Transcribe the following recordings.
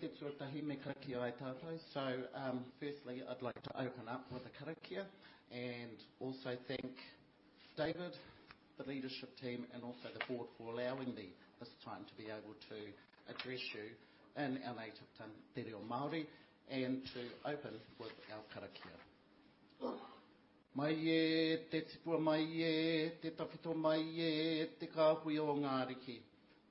Hey, kia tuatahi, me karakia ai tātou. So, firstly, I'd like to open up with a karakia, and also thank David, the leadership team, and also the board for allowing me this time to be able to address you in our native tongue, te reo Māori, and to open with our karakia. Mai e, te tipua, mai e, te tawhito, mai e, te kāhui o Ngā Ariki.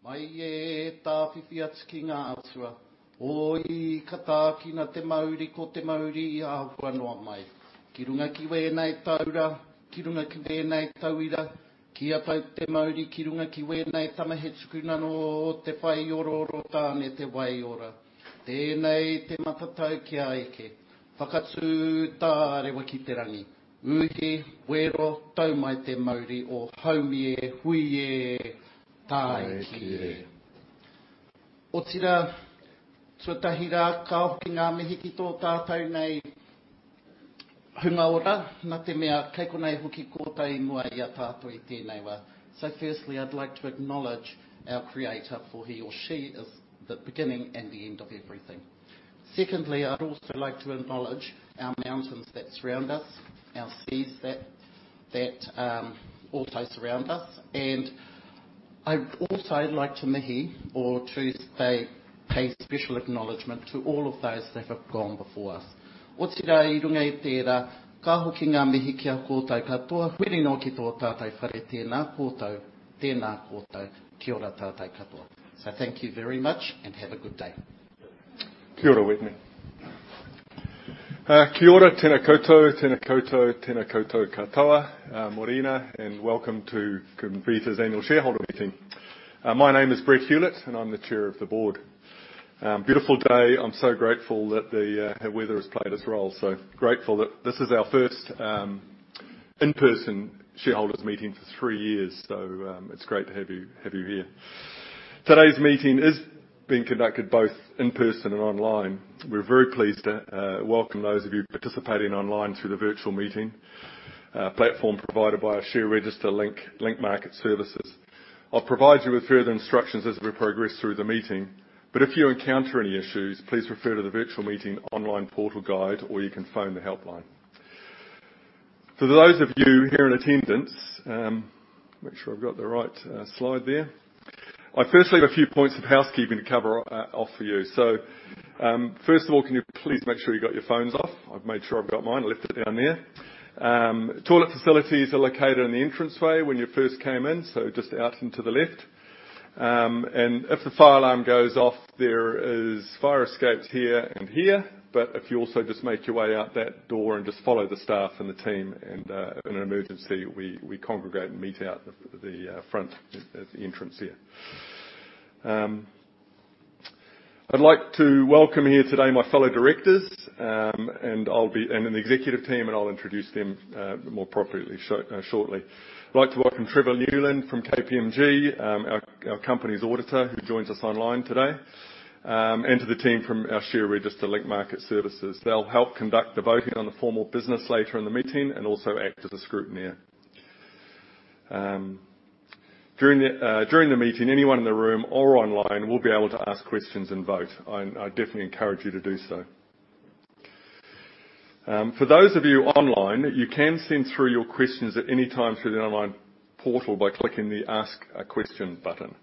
Mai e, tāwhiwhi atu ki ngā atua. Oi, ka tākina te mauri, ko te mauri e āhua noa mai. Ki runga ki wēnai taura, ki runga ki wēnai tauira. Kia tau te mauri ki runga ki wēnai tangoe tukuna no, o te whai ora o Tāne te wae ora. Tēnei te matatau kia eke. Whakatū tārewa ki te rangi. Uhi, wero, tau mai te mauri o Haumi e, hui e, tāiki e. Otirā, tuatahi rā, ka hoki ngā mihi ki tō tātou nei hunga ora, nā te mea kei konei hoki kōtai i mua i a tātou i tēnei wā. So firstly, I'd like to acknowledge our Creator, for He or She is the beginning and the end of everything. Secondly, I'd also like to acknowledge our mountains that surround us, our seas that also surround us. I'd also like to mihi, or to say, pay special acknowledgement to all of those that have gone before us. Otirā, i runga i tērā, ka hoki ngā mihi kia kōtai katoa, huri no ki tō tātou whare, tēnā kōtou, tēnā kōtou, kia ora tātou katoa. So thank you very much, and have a good day. Kia ora, Whitney. Kia ora, tēnā koutou, tēnā koutou, tēnā koutou katoa. Mōrena, and welcome to Comvita's annual shareholder meeting. My name is Brett Hewlett, and I'm the chair of the board. Beautiful day. I'm so grateful that the weather has played its role. So grateful that this is our first in-person shareholders meeting for three years, so it's great to have you here. Today's meeting is being conducted both in person and online. We're very pleased to welcome those of you participating online through the virtual meeting platform provided by our share register Link Market Services. I'll provide you with further instructions as we progress through the meeting, but if you encounter any issues, please refer to the virtual meeting online portal guide, or you can phone the helpline. For those of you here in attendance, make sure I've got the right slide there. I firstly have a few points of housekeeping to cover off for you. So, first of all, can you please make sure you got your phones off? I've made sure I've got mine, left it down there. Toilet facilities are located in the entranceway when you first came in, so just out and to the left. And if the fire alarm goes off, there is fire escapes here and here. But if you also just make your way out that door and just follow the staff and the team and, in an emergency, we congregate and meet out the front, at the entrance here. I'd like to welcome here today my fellow directors, and I'll be and the executive team, and I'll introduce them more appropriately shortly. I'd like to welcome Trevor Newland from KPMG, our company's auditor, who joins us online today, and to the team from our share register, Link Market Services. They'll help conduct the voting on the formal business later in the meeting and also act as a scrutineer. During the meeting, anyone in the room or online will be able to ask questions and vote, and I definitely encourage you to do so. For those of you online, you can send through your questions at any time through the online portal by clicking the Ask a Question button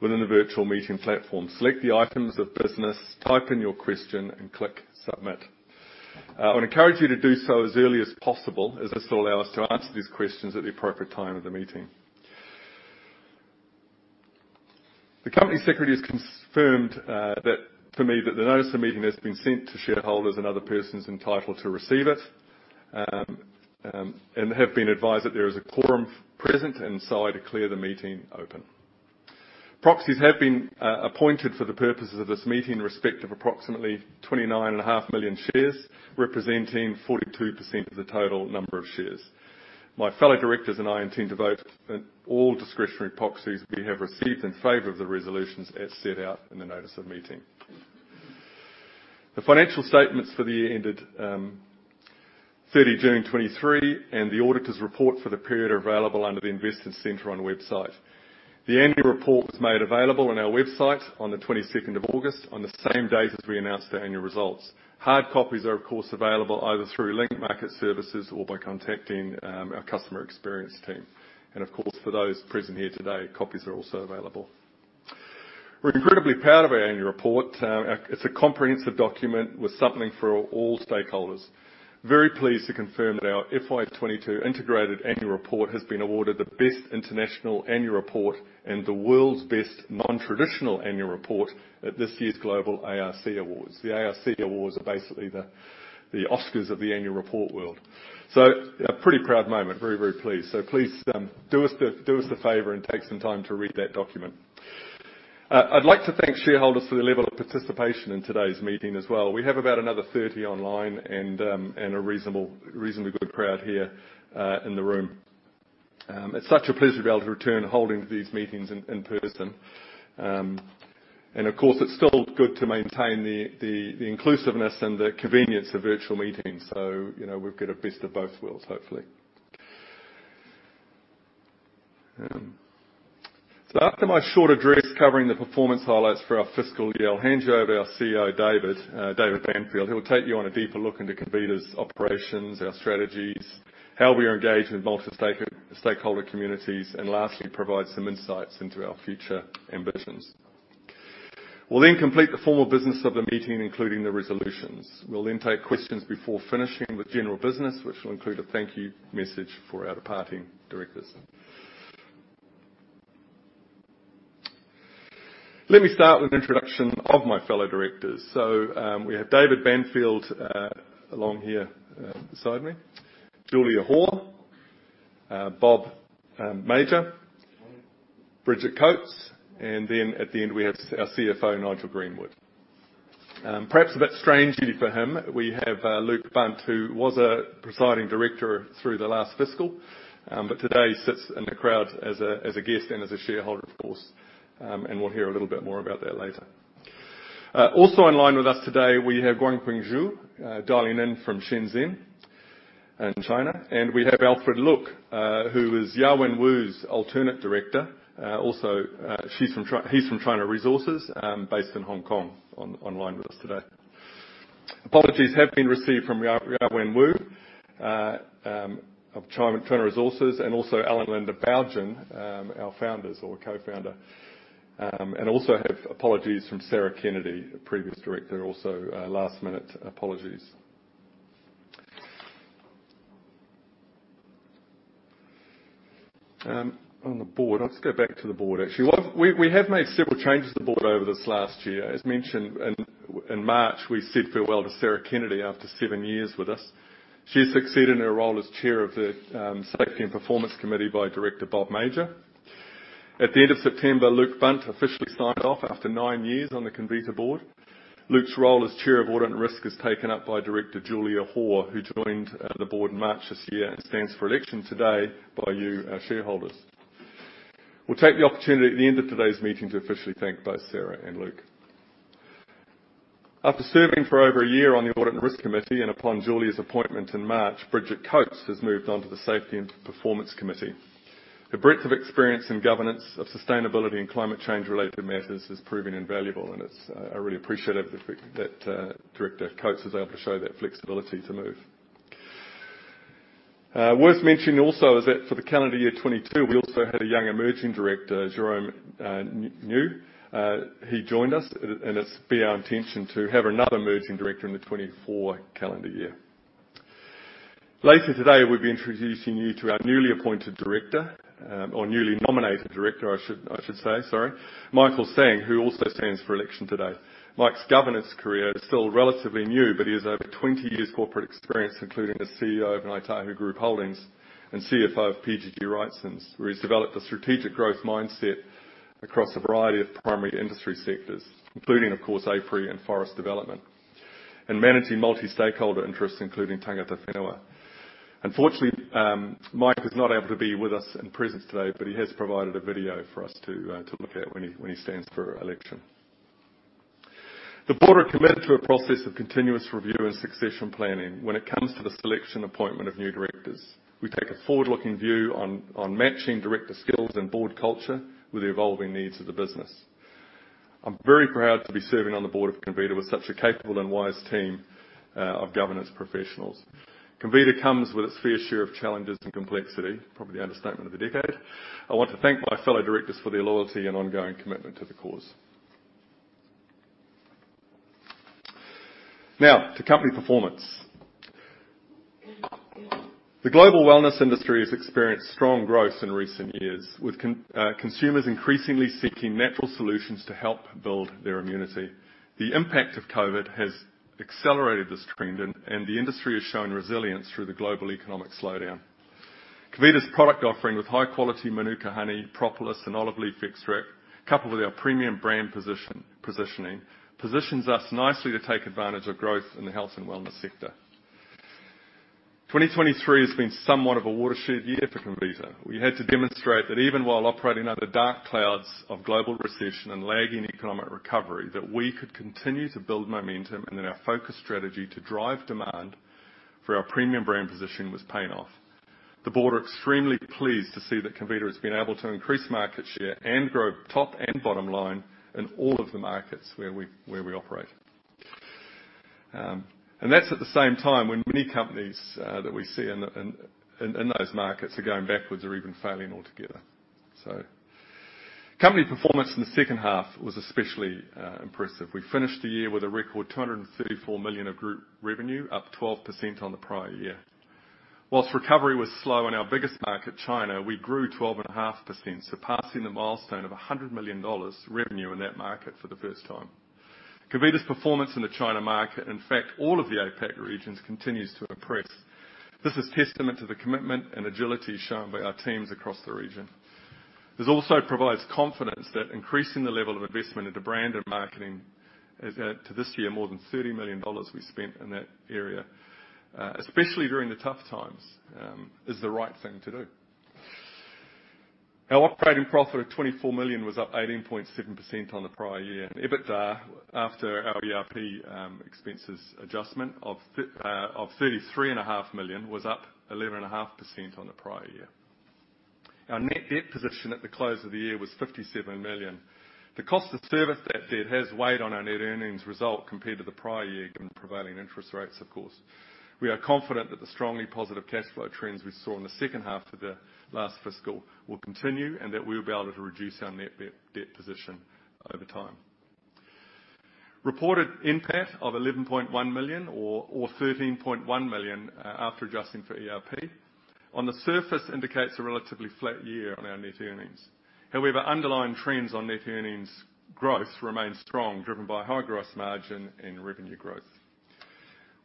within the virtual meeting platform. Select the items of business, type in your question, and click Submit. I would encourage you to do so as early as possible, as this will allow us to answer these questions at the appropriate time of the meeting. The company secretary has confirmed that for me that the notice of the meeting has been sent to shareholders and other persons entitled to receive it, and have been advised that there is a quorum present, and so I declare the meeting open. Proxies have been appointed for the purposes of this meeting in respect of approximately 29.5 million shares, representing 42% of the total number of shares. My fellow directors and I intend to vote in all discretionary proxies we have received in favor of the resolutions as set out in the notice of meeting. The financial statements for the year ended 30 June 2023, and the auditors' report for the period are available under the Investment Center on the website. The annual report was made available on our website on the 22nd of August, on the same day as we announced our annual results. Hard copies are, of course, available either through Link Market Services or by contacting our customer experience team. And of course, for those present here today, copies are also available. We're incredibly proud of our annual report. It's a comprehensive document with something for all stakeholders. Very pleased to confirm that our FY 2022 integrated annual report has been awarded the Best International Annual Report and the World's Best Non-Traditional Annual Report at this year's Global ARC Awards. The ARC Awards are basically the Oscars of the annual report world. So a pretty proud moment. Very, very pleased. So please, do us a favor and take some time to read that document. I'd like to thank shareholders for the level of participation in today's meeting as well. We have about another 30 online and a reasonably good crowd here in the room. It's such a pleasure to be able to return to holding these meetings in person. And of course, it's still good to maintain the inclusiveness and the convenience of virtual meetings. So, you know, we've got a best of both worlds, hopefully. So after my short address covering the performance highlights for our fiscal year, I'll hand you over to our CEO, David Banfield, who will take you on a deeper look into Comvita's operations, our strategies, how we are engaged in multi-stakeholder communities, and lastly, provide some insights into our future ambitions. We'll then complete the formal business of the meeting, including the resolutions. We'll then take questions before finishing with general business, which will include a thank you message for our departing directors. Let me start with an introduction of my fellow directors. So, we have David Banfield, along here, beside me, Julia Hoare, Bob Major, Bridget Coates, and then at the end, we have our CFO, Nigel Greenwood. Perhaps a bit strangely for him, we have Luke Bunt, who was a presiding director through the last fiscal, but today he sits in the crowd as a guest and as a shareholder, of course. And we'll hear a little bit more about that later. Also in line with us today, we have Guangping Zhu, dialing in from Shenzhen in China, and we have Alfred Luk, who is Yaowen Wu's alternate director. Also, she's from Chi-- he's from China Resources, based in Hong Kong, online with us today. Apologies have been received from Yaowen Wu, of China Resources, and also Alan and Linda Bougen, our co-founders. And also have apologies from Sarah Kennedy, a previous director, also last-minute apologies. On the board. Let's go back to the board, actually. Well, we have made several changes to the board over this last year. As mentioned, in March, we said farewell to Sarah Kennedy after seven years with us. She was succeeded in her role as chair of the Safety and Performance Committee by Director Bob Major. At the end of September, Luke Bunt officially signed off after nine years on the Comvita board. Luke's role as Chair of Audit and Risk was taken up by Director Julia Hoare, who joined the board in March this year and stands for election today by you, our shareholders. We'll take the opportunity at the end of today's meeting to officially thank both Sarah and Luke. After serving for over a year on the Audit and Risk Committee, and upon Julia's appointment in March, Bridget Coates has moved on to the Safety and Performance Committee. Her breadth of experience in governance of sustainability and climate change-related matters has proven invaluable, and it's, I really appreciate that, that, Director Coates was able to show that flexibility to move. Worth mentioning also is that for the calendar year 2022, we also had a young emerging director, Jerome Ng. He joined us, and it's been our intention to have another emerging director in the 2024 calendar year. Later today, we'll be introducing you to our newly appointed director, or newly nominated director, I should say, sorry. Michael Sang, who also stands for election today. Mike's governance career is still relatively new, but he has over 20 years of corporate experience, including the CEO of Ngāi Tahu Holdings and CFO of PGG Wrightson, where he's developed a strategic growth mindset across a variety of primary industry sectors, including, of course, apiary and forest development, and managing multi-stakeholder interests, including Tangata Whenua. Unfortunately, Mike is not able to be with us in presence today, but he has provided a video for us to look at when he stands for election. The board are committed to a process of continuous review and succession planning when it comes to the selection appointment of new directors. We take a forward-looking view on matching director skills and board culture with the evolving needs of the business. I'm very proud to be serving on the board of Comvita with such a capable and wise team of governance professionals. Comvita comes with its fair share of challenges and complexity, probably the understatement of the decade. I want to thank my fellow directors for their loyalty and ongoing commitment to the cause. Now, to company performance. The global wellness industry has experienced strong growth in recent years, with consumers increasingly seeking natural solutions to help build their immunity. The impact of COVID has accelerated this trend, and the industry has shown resilience through the global economic slowdown. Comvita's product offering with high-quality Mānuka honey, propolis, and olive leaf extract, coupled with our premium brand positioning, positions us nicely to take advantage of growth in the health and wellness sector. 2023 has been somewhat of a watershed year for Comvita. We had to demonstrate that even while operating under the dark clouds of global recession and lagging economic recovery, that we could continue to build momentum and that our focus strategy to drive demand for our premium brand positioning was paying off. The board are extremely pleased to see that Comvita has been able to increase market share and grow top and bottom line in all of the markets where we operate. And that's at the same time when many companies that we see in those markets are going backwards or even failing altogether. Company performance in the second half was especially impressive. We finished the year with a record 234 million of group revenue, up 12% on the prior year. While recovery was slow in our biggest market, China, we grew 12.5%, surpassing the milestone of 100 million dollars revenue in that market for the first time. Comvita's performance in the China market, in fact, all of the APAC regions, continues to impress. This is testament to the commitment and agility shown by our teams across the region. This also provides confidence that increasing the level of investment into brand and marketing, to this year, more than 30 million dollars we spent in that area, especially during the tough times, is the right thing to do. Our operating profit of 24 million was up 18.7% on the prior year. EBITDA, after our ERP expenses adjustment of 33.5 million, was up 11.5% on the prior year. Our net debt position at the close of the year was 57 million. The cost of service that debt has weighed on our net earnings result compared to the prior year, given prevailing interest rates, of course. We are confident that the strongly positive cash flow trends we saw in the second half of the last fiscal will continue, and that we will be able to reduce our net debt position over time. Reported NPAT of 11.1 million or 13.1 million after adjusting for ERP, on the surface, indicates a relatively flat year on our net earnings. However, underlying trends on net earnings growth remain strong, driven by higher gross margin and revenue growth.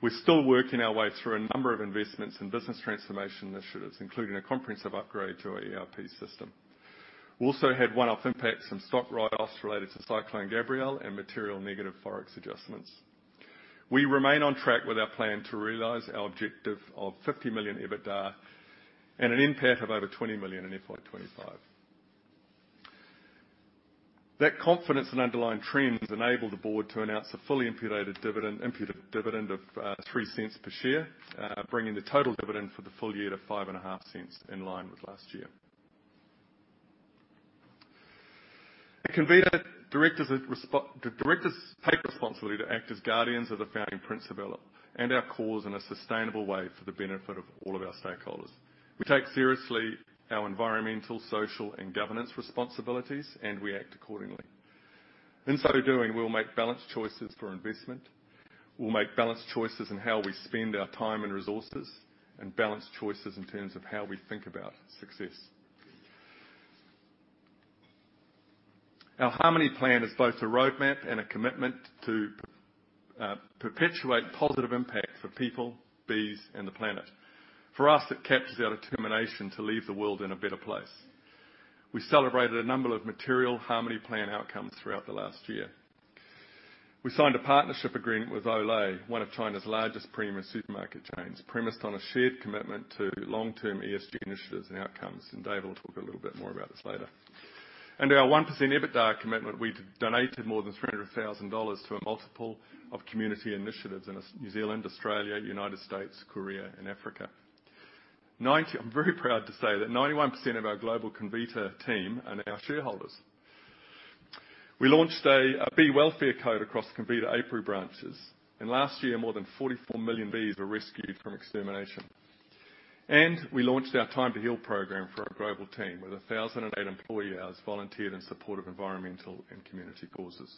We're still working our way through a number of investments and business transformation initiatives, including a comprehensive upgrade to our ERP system. We also had one-off impacts from stock write-offs related to Cyclone Gabrielle and material negative Forex adjustments. We remain on track with our plan to realize our objective of 50 million EBITDA and an NPAT of over 20 million in FY 2025. That confidence in underlying trends enabled the board to announce a fully imputed dividend of 0.03 per share, bringing the total dividend for the full year to 0.055 in line with last year. At Comvita, the directors take responsibility to act as guardians of the founding principle and our cause in a sustainable way for the benefit of all of our stakeholders. We take seriously our environmental, social, and governance responsibilities, and we act accordingly. In so doing, we'll make balanced choices for investment. We'll make balanced choices in how we spend our time and resources, and balanced choices in terms of how we think about success. Our Harmony Plan is both a roadmap and a commitment to perpetuate positive impact for people, bees, and the planet. For us, it captures our determination to leave the world in a better place. We celebrated a number of material Harmony Plan outcomes throughout the last year. We signed a partnership agreement with Olé, one of China's largest premium supermarket chains, premised on a shared commitment to long-term ESG initiatives and outcomes, and Dave will talk a little bit more about this later. Under our 1% EBITDA commitment, we donated more than $300,000 to a multiple of community initiatives in New Zealand, Australia, United States, Korea, and Africa. Ninety... I'm very proud to say that 91% of our global Comvita team are now shareholders. We launched a Bee Welfare Code across Comvita apiary branches, and last year, more than 44 million bees were rescued from extermination. We launched our Time to Heal program for our global team, with 1,008 employee hours volunteered in support of environmental and community causes.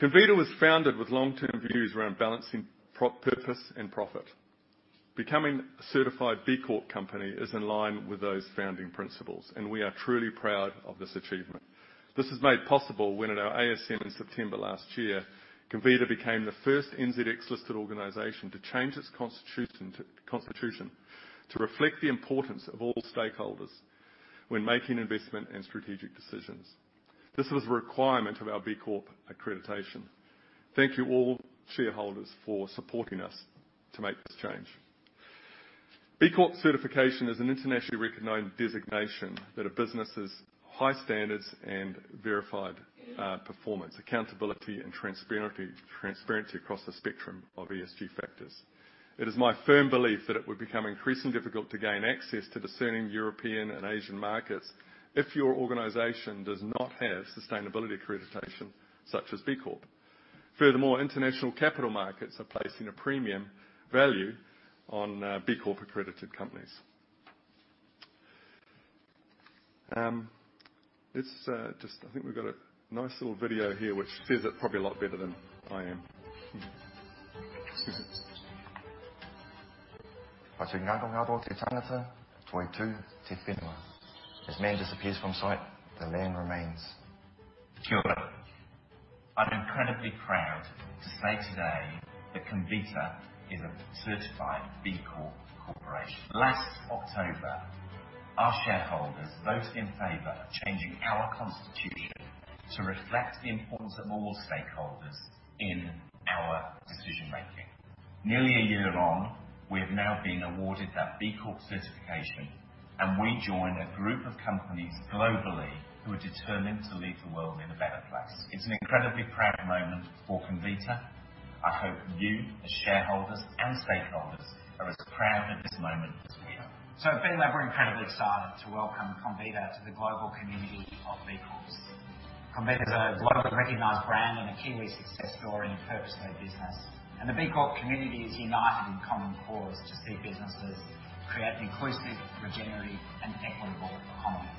Comvita was founded with long-term views around balancing purpose and profit. Becoming a certified B Corp company is in line with those founding principles, and we are truly proud of this achievement. This was made possible when at our ASM in September last year, Comvita became the first NZX-listed organization to change its constitution to reflect the importance of all stakeholders when making investment and strategic decisions. This was a requirement of our B Corp accreditation. Thank you, all shareholders, for supporting us to make this change. B Corp certification is an internationally recognized designation that a business's high standards and verified performance, accountability, and transparency across the spectrum of ESG factors. It is my firm belief that it would become increasingly difficult to gain access to discerning European and Asian markets if your organization does not have sustainability accreditation, such as B Corp. Furthermore, international capital markets are placing a premium value on B Corp accredited companies. Let's. I think we've got a nice little video here which says it probably a lot better than I am. Kia ora. I'm incredibly proud to say today that Comvita is a certified B Corp corporation. Last October, our shareholders voted in favor of changing our constitution to reflect the importance of all stakeholders in our decision-making. Nearly a year on, we have now been awarded that B Corp certification, and we join a group of companies globally who are determined to leave the world in a better place. It's an incredibly proud moment for Comvita. I hope you, as shareholders and stakeholders, are as proud of this moment as we are. So at B Lab, we're incredibly excited to welcome Comvita to the global community of B Corps. Comvita is a well-recognized brand and a Kiwi success story in purposeful business, and the B Corp community is united in common cause to see businesses create an inclusive, regenerative, and equitable economy.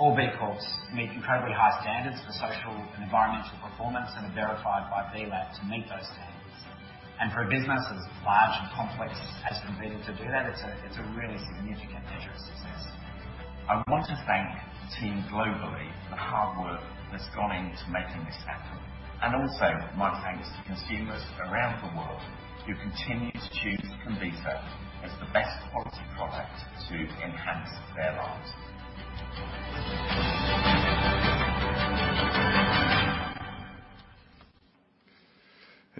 All B Corps meet incredibly high standards for social and environmental performance and are verified by B Lab to meet those standards. For a business as large and complex as Comvita to do that, it's a really significant measure of success. I want to thank the team globally for the hard work that's gone into making this happen. Also, my thanks to consumers around the world who continue to choose Comvita as the best quality product to enhance their lives. And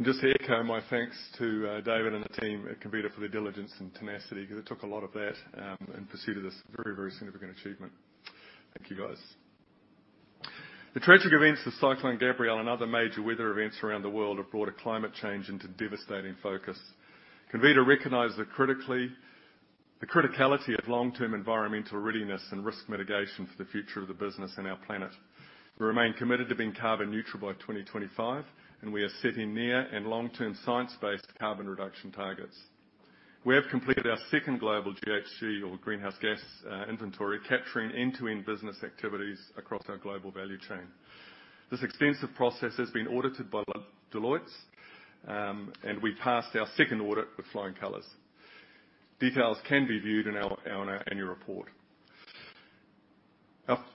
just to echo my thanks to, David and the team at Comvita for their diligence and tenacity, because it took a lot of that, in pursuit of this very, very significant achievement. Thank you, guys. The tragic events of Cyclone Gabrielle and other major weather events around the world have brought a climate change into devastating focus. Comvita recognizes the critically, the criticality of long-term environmental readiness and risk mitigation for the future of the business and our planet. We remain committed to being carbon neutral by 2025, and we are setting near and long-term science-based carbon reduction targets. We have completed our second global GHG, or greenhouse gas, inventory, capturing end-to-end business activities across our global value chain. This extensive process has been audited by Deloitte, and we passed our second audit with flying colors. Details can be viewed in our annual report.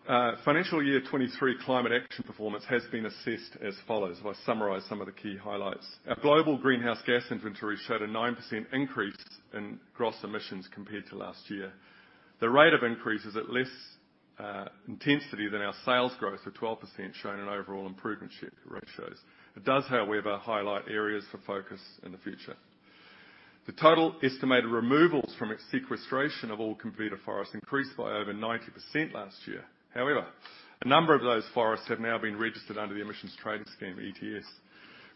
Our financial year 2023 climate action performance has been assessed as follows. If I summarize some of the key highlights. Our global greenhouse gas inventory showed a 9% increase in gross emissions compared to last year. The rate of increase is at less intensity than our sales growth of 12%, showing an overall improvement in ratios. It does, however, highlight areas for focus in the future. The total estimated removals from sequestration of all Comvita forests increased by over 90% last year. However, a number of those forests have now been registered under the Emissions Trading Scheme, ETS,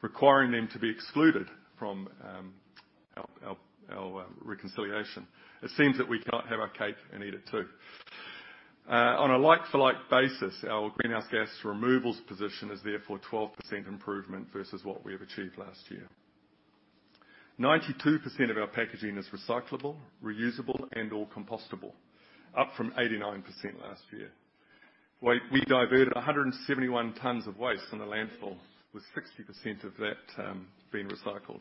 requiring them to be excluded from our reconciliation. It seems that we cannot have our cake and eat it, too. On a like-for-like basis, our greenhouse gas removals position is therefore 12% improvement versus what we have achieved last year. 92% of our packaging is recyclable, reusable, and/or compostable, up from 89% last year. We diverted 171 tons of waste in the landfill, with 60% of that being recycled.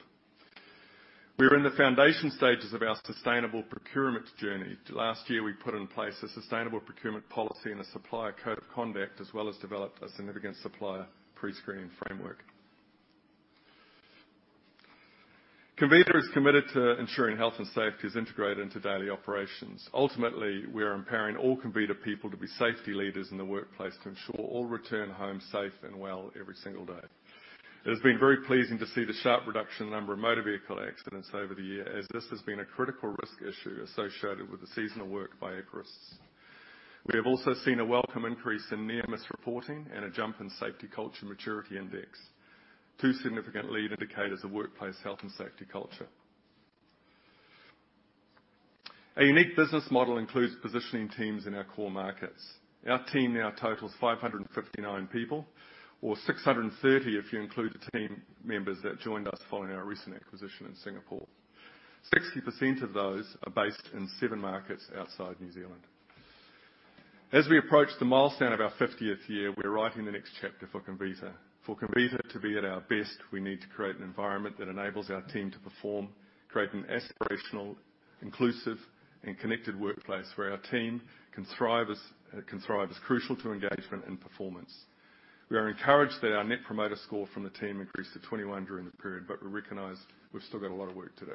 We are in the foundation stages of our sustainable procurement journey. Last year, we put in place a sustainable procurement policy and a supplier code of conduct, as well as developed a significant supplier pre-screening framework. Comvita is committed to ensuring health and safety is integrated into daily operations. Ultimately, we are empowering all Comvita people to be safety leaders in the workplace to ensure all return home safe and well every single day. It has been very pleasing to see the sharp reduction in number of motor vehicle accidents over the year, as this has been a critical risk issue associated with the seasonal work by arborists. We have also seen a welcome increase in near-miss reporting and a jump in Safety Culture Maturity Index, two significant lead indicators of workplace health and safety culture. Our unique business model includes positioning teams in our core markets. Our team now totals 559 people, or 630 if you include the team members that joined us following our recent acquisition in Singapore. 60% of those are based in seven markets outside New Zealand. As we approach the milestone of our 50th year, we're writing the next chapter for Comvita. For Comvita to be at our best, we need to create an environment that enables our team to perform, create an aspirational, inclusive, and connected workplace where our team can thrive as, can thrive as crucial to engagement and performance. We are encouraged that our net promoter score from the team increased to 21 during the period, but we recognize we've still got a lot of work to do.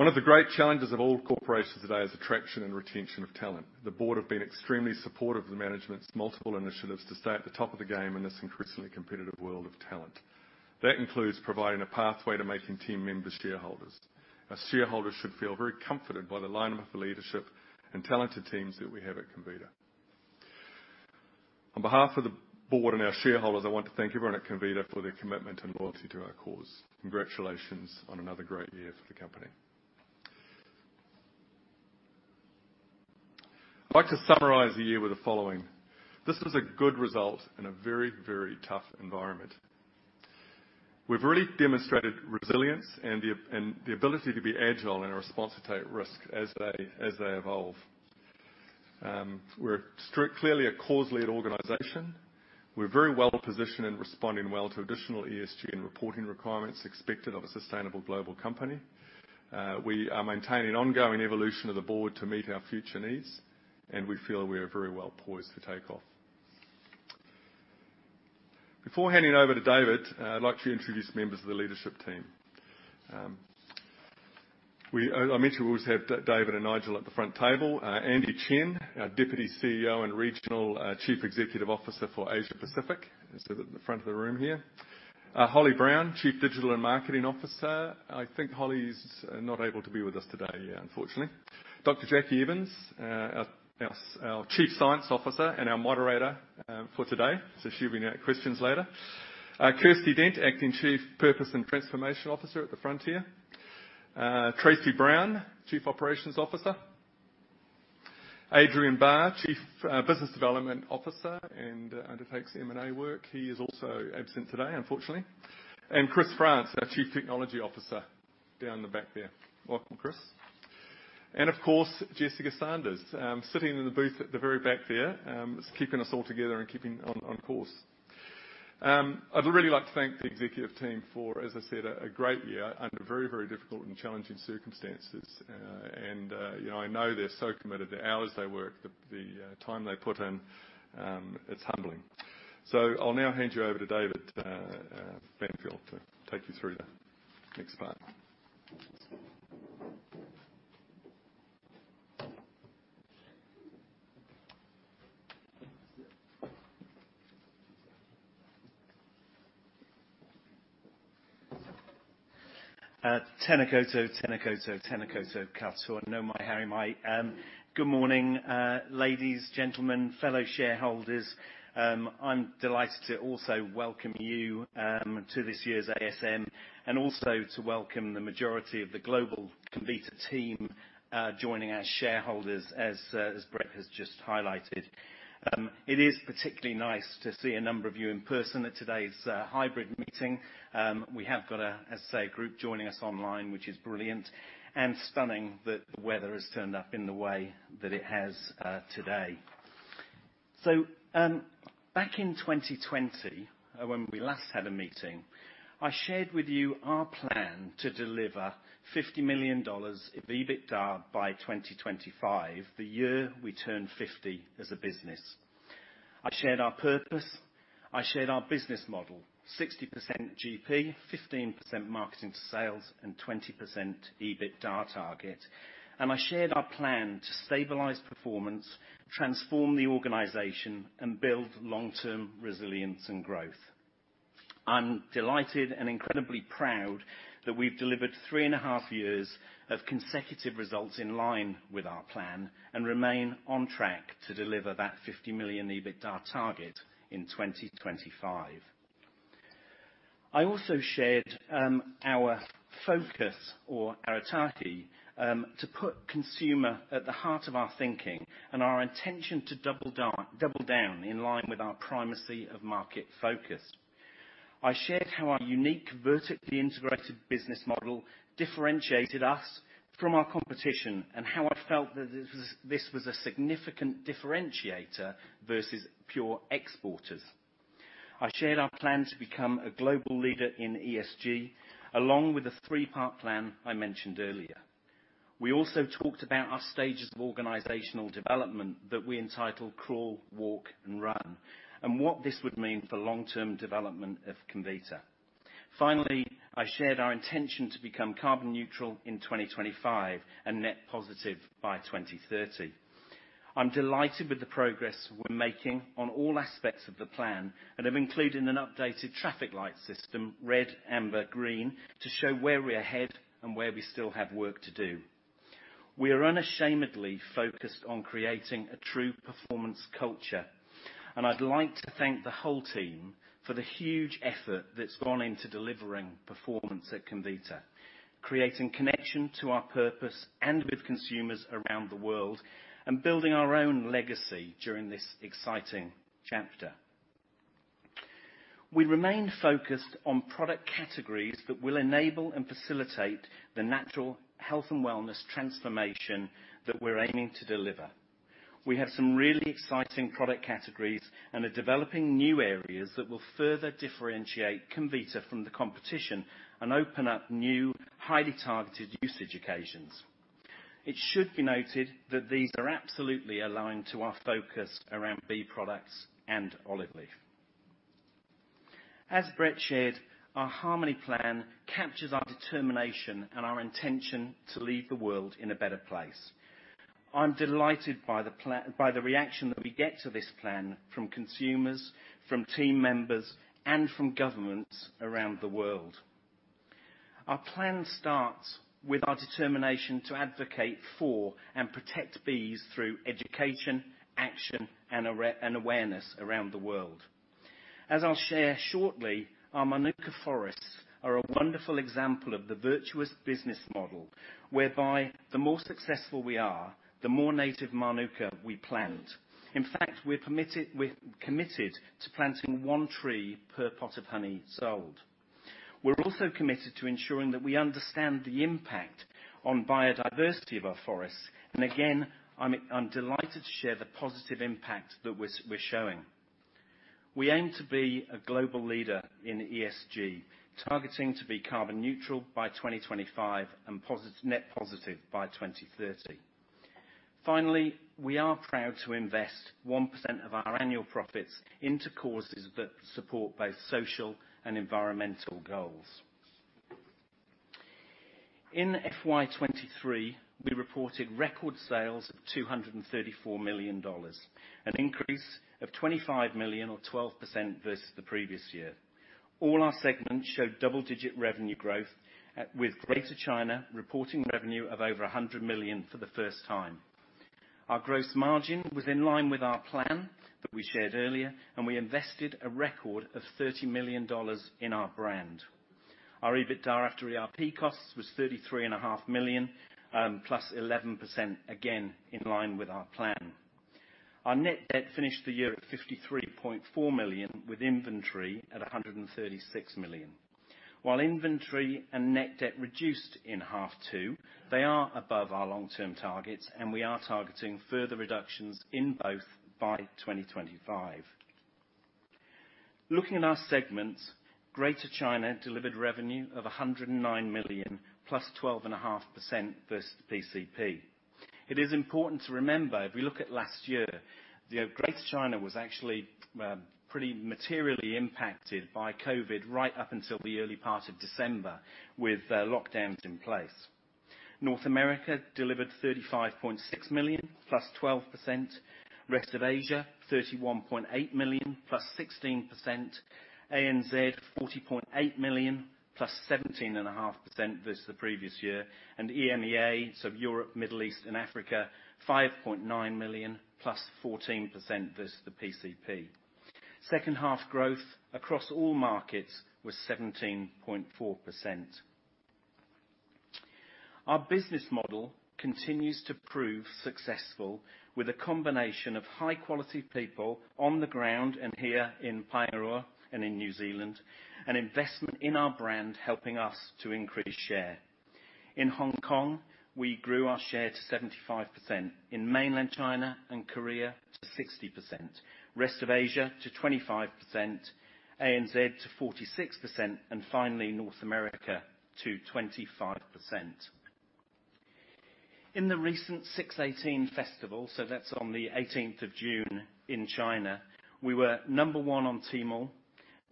One of the great challenges of all corporations today is attraction and retention of talent. The board have been extremely supportive of the management's multiple initiatives to stay at the top of the game in this increasingly competitive world of talent. That includes providing a pathway to making team members shareholders. Our shareholders should feel very comforted by the lineup of leadership and talented teams that we have at Comvita. On behalf of the board and our shareholders, I want to thank everyone at Comvita for their commitment and loyalty to our cause. Congratulations on another great year for the company. I'd like to summarize the year with the following: This was a good result in a very, very tough environment. We've really demonstrated resilience and the ability to be agile in our response to take risk as they evolve. We're clearly a cause-led organization. We're very well positioned and responding well to additional ESG and reporting requirements expected of a sustainable global company. We are maintaining ongoing evolution of the board to meet our future needs, and we feel we are very well poised for takeoff. Before handing over to David, I'd like to introduce members of the leadership team. I mentioned we always have David and Nigel at the front table. Andy Chen, our Deputy CEO and Regional Chief Executive Officer for Asia Pacific, is at the front of the room here. Holly Brown, Chief Digital and Marketing Officer. I think Holly's not able to be with us today, unfortunately. Dr. Jackie Evans, our Chief Science Officer and our moderator for today. So she'll be in our questions later. Kirsty Dent, Acting Chief Purpose and Transformation Officer at the front here. Tracey Brown, Chief Operations Officer. Adrian Barr, Chief Business Development Officer and undertakes M&A work. He is also absent today, unfortunately. And Chris France, our Chief Technology Officer, down the back there. Welcome, Chris. And of course, Jessica Sanders, sitting in the booth at the very back there, keeping us all together and keeping on course. I'd really like to thank the executive team for, as I said, a great year under very, very difficult and challenging circumstances. You know, I know they're so committed. The hours they work, the time they put in, it's humbling. So I'll now hand you over to David Banfield, to take you through the next part. Tena koutou, tena koutou, tena koutou katoa. No mauri hari maie. Good morning, ladies, gentlemen, fellow shareholders. I'm delighted to also welcome you, to this year's ASM, and also to welcome the majority of the global Comvita team, joining our shareholders, as, as Brett has just highlighted. It is particularly nice to see a number of you in person at today's, hybrid meeting. We have got a, as I say, group joining us online, which is brilliant, and stunning that the weather has turned up in the way that it has, today. So, back in 2020, when we last had a meeting, I shared with you our plan to deliver NZD 50 million in EBITDA by 2025, the year we turn 50 as a business. I shared our purpose, I shared our business model, 60% GP, 15% marketing to sales, and 20% EBITDA target, and I shared our plan to stabilize performance, transform the organization, and build long-term resilience and growth. I'm delighted and incredibly proud that we've delivered three and a half years of consecutive results in line with our plan, and remain on track to deliver that 50 million EBITDA target in 2025. I also shared our focus or our target to put consumer at the heart of our thinking and our intention to double down in line with our primacy of market focus. I shared how our unique, vertically integrated business model differentiated us from our competition, and how I felt that this was a significant differentiator versus pure exporters. I shared our plan to become a global leader in ESG, along with the three-part plan I mentioned earlier. We also talked about our stages of organizational development that we entitled Crawl, Walk, and Run, and what this would mean for long-term development of Comvita. Finally, I shared our intention to become carbon neutral in 2025 and net positive by 2030. I'm delighted with the progress we're making on all aspects of the plan and have included an updated traffic light system, red, amber, green, to show where we're ahead and where we still have work to do. We are unashamedly focused on creating a true performance culture, and I'd like to thank the whole team for the huge effort that's gone into delivering performance at Comvita, creating connection to our purpose and with consumers around the world, and building our own legacy during this exciting chapter. We remain focused on product categories that will enable and facilitate the natural health and wellness transformation that we're aiming to deliver. We have some really exciting product categories and are developing new areas that will further differentiate Comvita from the competition and open up new, highly targeted usage occasions. It should be noted that these are absolutely aligned to our focus around bee products and olive leaf. As Brett shared, our Harmony Plan captures our determination and our intention to leave the world in a better place. I'm delighted by the reaction that we get to this plan from consumers, from team members, and from governments around the world. Our plan starts with our determination to advocate for and protect bees through education, action, and awareness around the world. As I'll share shortly, our Mānuka forests are a wonderful example of the virtuous business model, whereby the more successful we are, the more native Mānuka we plant. In fact, we're committed to planting one tree per pot of honey sold. We're also committed to ensuring that we understand the impact on biodiversity of our forests, and again, I'm delighted to share the positive impact that we're showing. We aim to be a global leader in ESG, targeting to be carbon neutral by 2025 and net positive by 2030. Finally, we are proud to invest 1% of our annual profits into causes that support both social and environmental goals. In FY 2023, we reported record sales of 234 million dollars, an increase of 25 million or 12% versus the previous year. All our segments showed double-digit revenue growth, with Greater China reporting revenue of over 100 million for the first time. Our gross margin was in line with our plan that we shared earlier, and we invested a record of 30 million dollars in our brand. Our EBITDA after ERP costs was 33.5 million, plus 11%, again, in line with our plan. Our net debt finished the year at 53.4 million, with inventory at 136 million. While inventory and net debt reduced in half too, they are above our long-term targets, and we are targeting further reductions in both by 2025. Looking at our segments, Greater China delivered revenue of 109 million, plus 12.5% versus the PCP. It is important to remember, if we look at last year, the Greater China was actually pretty materially impacted by COVID right up until the early part of December, with lockdowns in place. North America delivered 35.6 million, +12%. Rest of Asia, 31.8 million, +16%. ANZ, 40.8 million, +17.5% versus the previous year, and EMEA, so Europe, Middle East, and Africa, 5.9 million, +14% versus the PCP. Second half growth across all markets was 17.4%. Our business model continues to prove successful, with a combination of high quality people on the ground and here in Paengaroa and in New Zealand, and investment in our brand helping us to increase share. In Hong Kong, we grew our share to 75%, in mainland China and Korea to 60%, rest of Asia to 25%, ANZ to 46%, and finally, North America to 25%. In the recent 6.18 Festival, so that's on the 18th of June in China, we were number one on Tmall,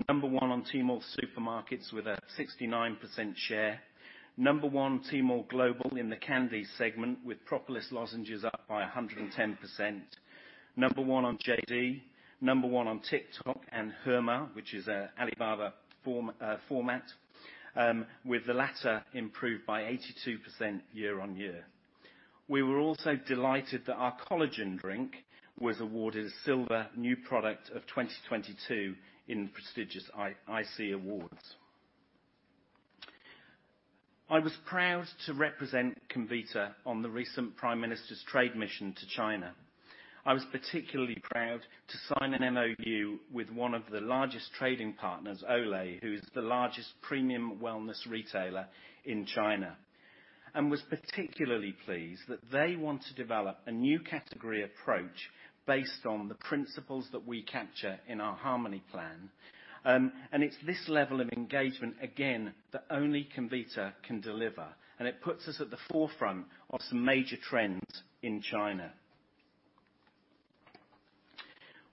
number one on Tmall Supermarkets with a 69% share, number one on Tmall Global in the candy segment, with propolis lozenges up by 110%, number one on JD, number one on TikTok and Hema, which is an Alibaba format, with the latter improved by 82% year on year. We were also delighted that our collagen drink was awarded a Silver New Product of 2022 in the prestigious iSEE Awards. I was proud to represent Comvita on the recent Prime Minister's trade mission to China. I was particularly proud to sign an MOU with one of the largest trading partners, Olé, who is the largest premium wellness retailer in China, and was particularly pleased that they want to develop a new category approach based on the principles that we capture in our Harmony Plan. And it's this level of engagement, again, that only Comvita can deliver, and it puts us at the forefront of some major trends in China.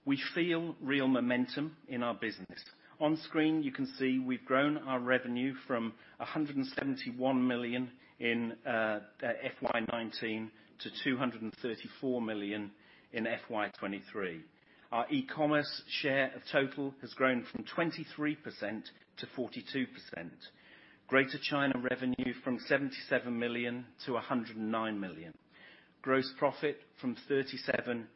We feel real momentum in our business. On screen, you can see we've grown our revenue from 171 million in FY 2019 to 234 million in FY 2023. Our e-commerce share of total has grown from 23% to 42%. Greater China revenue from 77 million to 109 million. Gross profit from 37%-60%,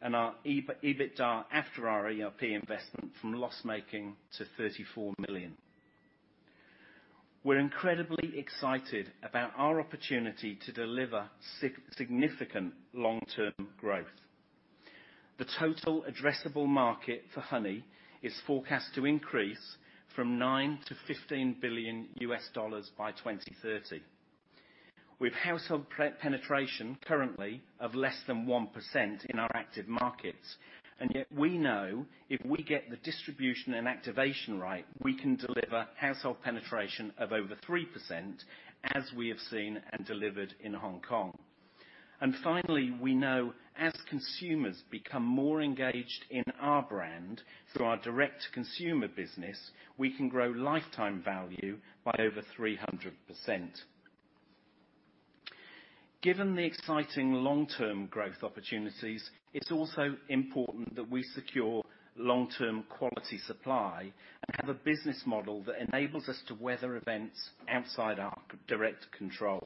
and our EBITDA, after our ERP investment, from loss-making to 34 million. We're incredibly excited about our opportunity to deliver significant long-term growth. The total addressable market for honey is forecast to increase from $9 billion-$15 billion by 2030, with household penetration currently of less than 1% in our active markets, and yet we know if we get the distribution and activation right, we can deliver household penetration of over 3%, as we have seen and delivered in Hong Kong. And finally, we know as consumers become more engaged in our brand through our direct-to-consumer business, we can grow lifetime value by over 300%. Given the exciting long-term growth opportunities, it's also important that we secure long-term quality supply and have a business model that enables us to weather events outside our direct control.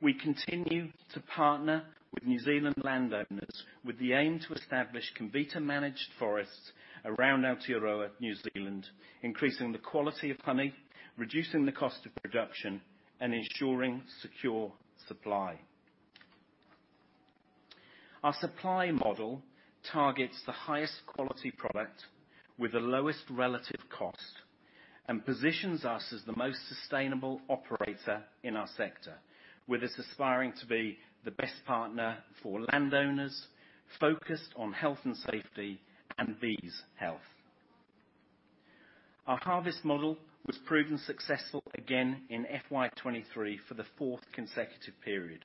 We continue to partner with New Zealand landowners with the aim to establish Comvita-managed forests around Aotearoa, New Zealand, increasing the quality of honey, reducing the cost of production, and ensuring secure supply. Our supply model targets the highest quality product with the lowest relative cost, and positions us as the most sustainable operator in our sector. With us aspiring to be the best partner for landowners, focused on health and safety and bees' health. Our harvest model was proven successful again in FY 2023 for the fourth consecutive period.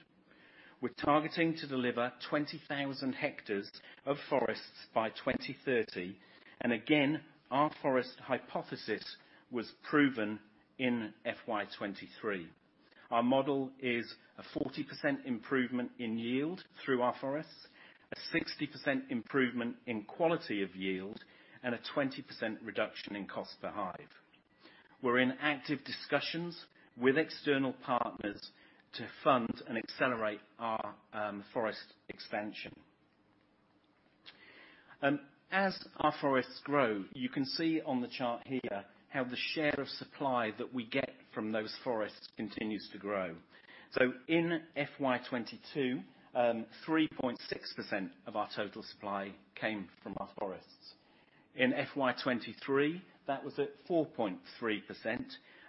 We're targeting to deliver 20,000 hectares of forests by 2030, and again, our forest hypothesis was proven in FY 2023. Our model is a 40% improvement in yield through our forests, a 60% improvement in quality of yield, and a 20% reduction in cost per hive. We're in active discussions with external partners to fund and accelerate our forest expansion. As our forests grow, you can see on the chart here how the share of supply that we get from those forests continues to grow. So in FY 2022, 3.6% of our total supply came from our forests. In FY 2023, that was at 4.3%,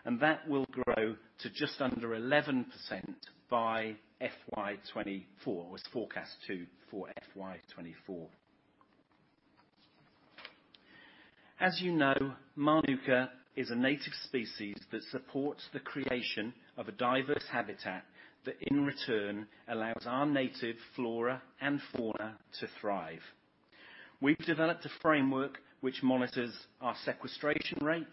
and that will grow to just under 11% by FY 2024, as forecast to for FY 2024. As you know, Mānuka is a native species that supports the creation of a diverse habitat that, in return, allows our native flora and fauna to thrive. We've developed a framework which monitors our sequestration rates,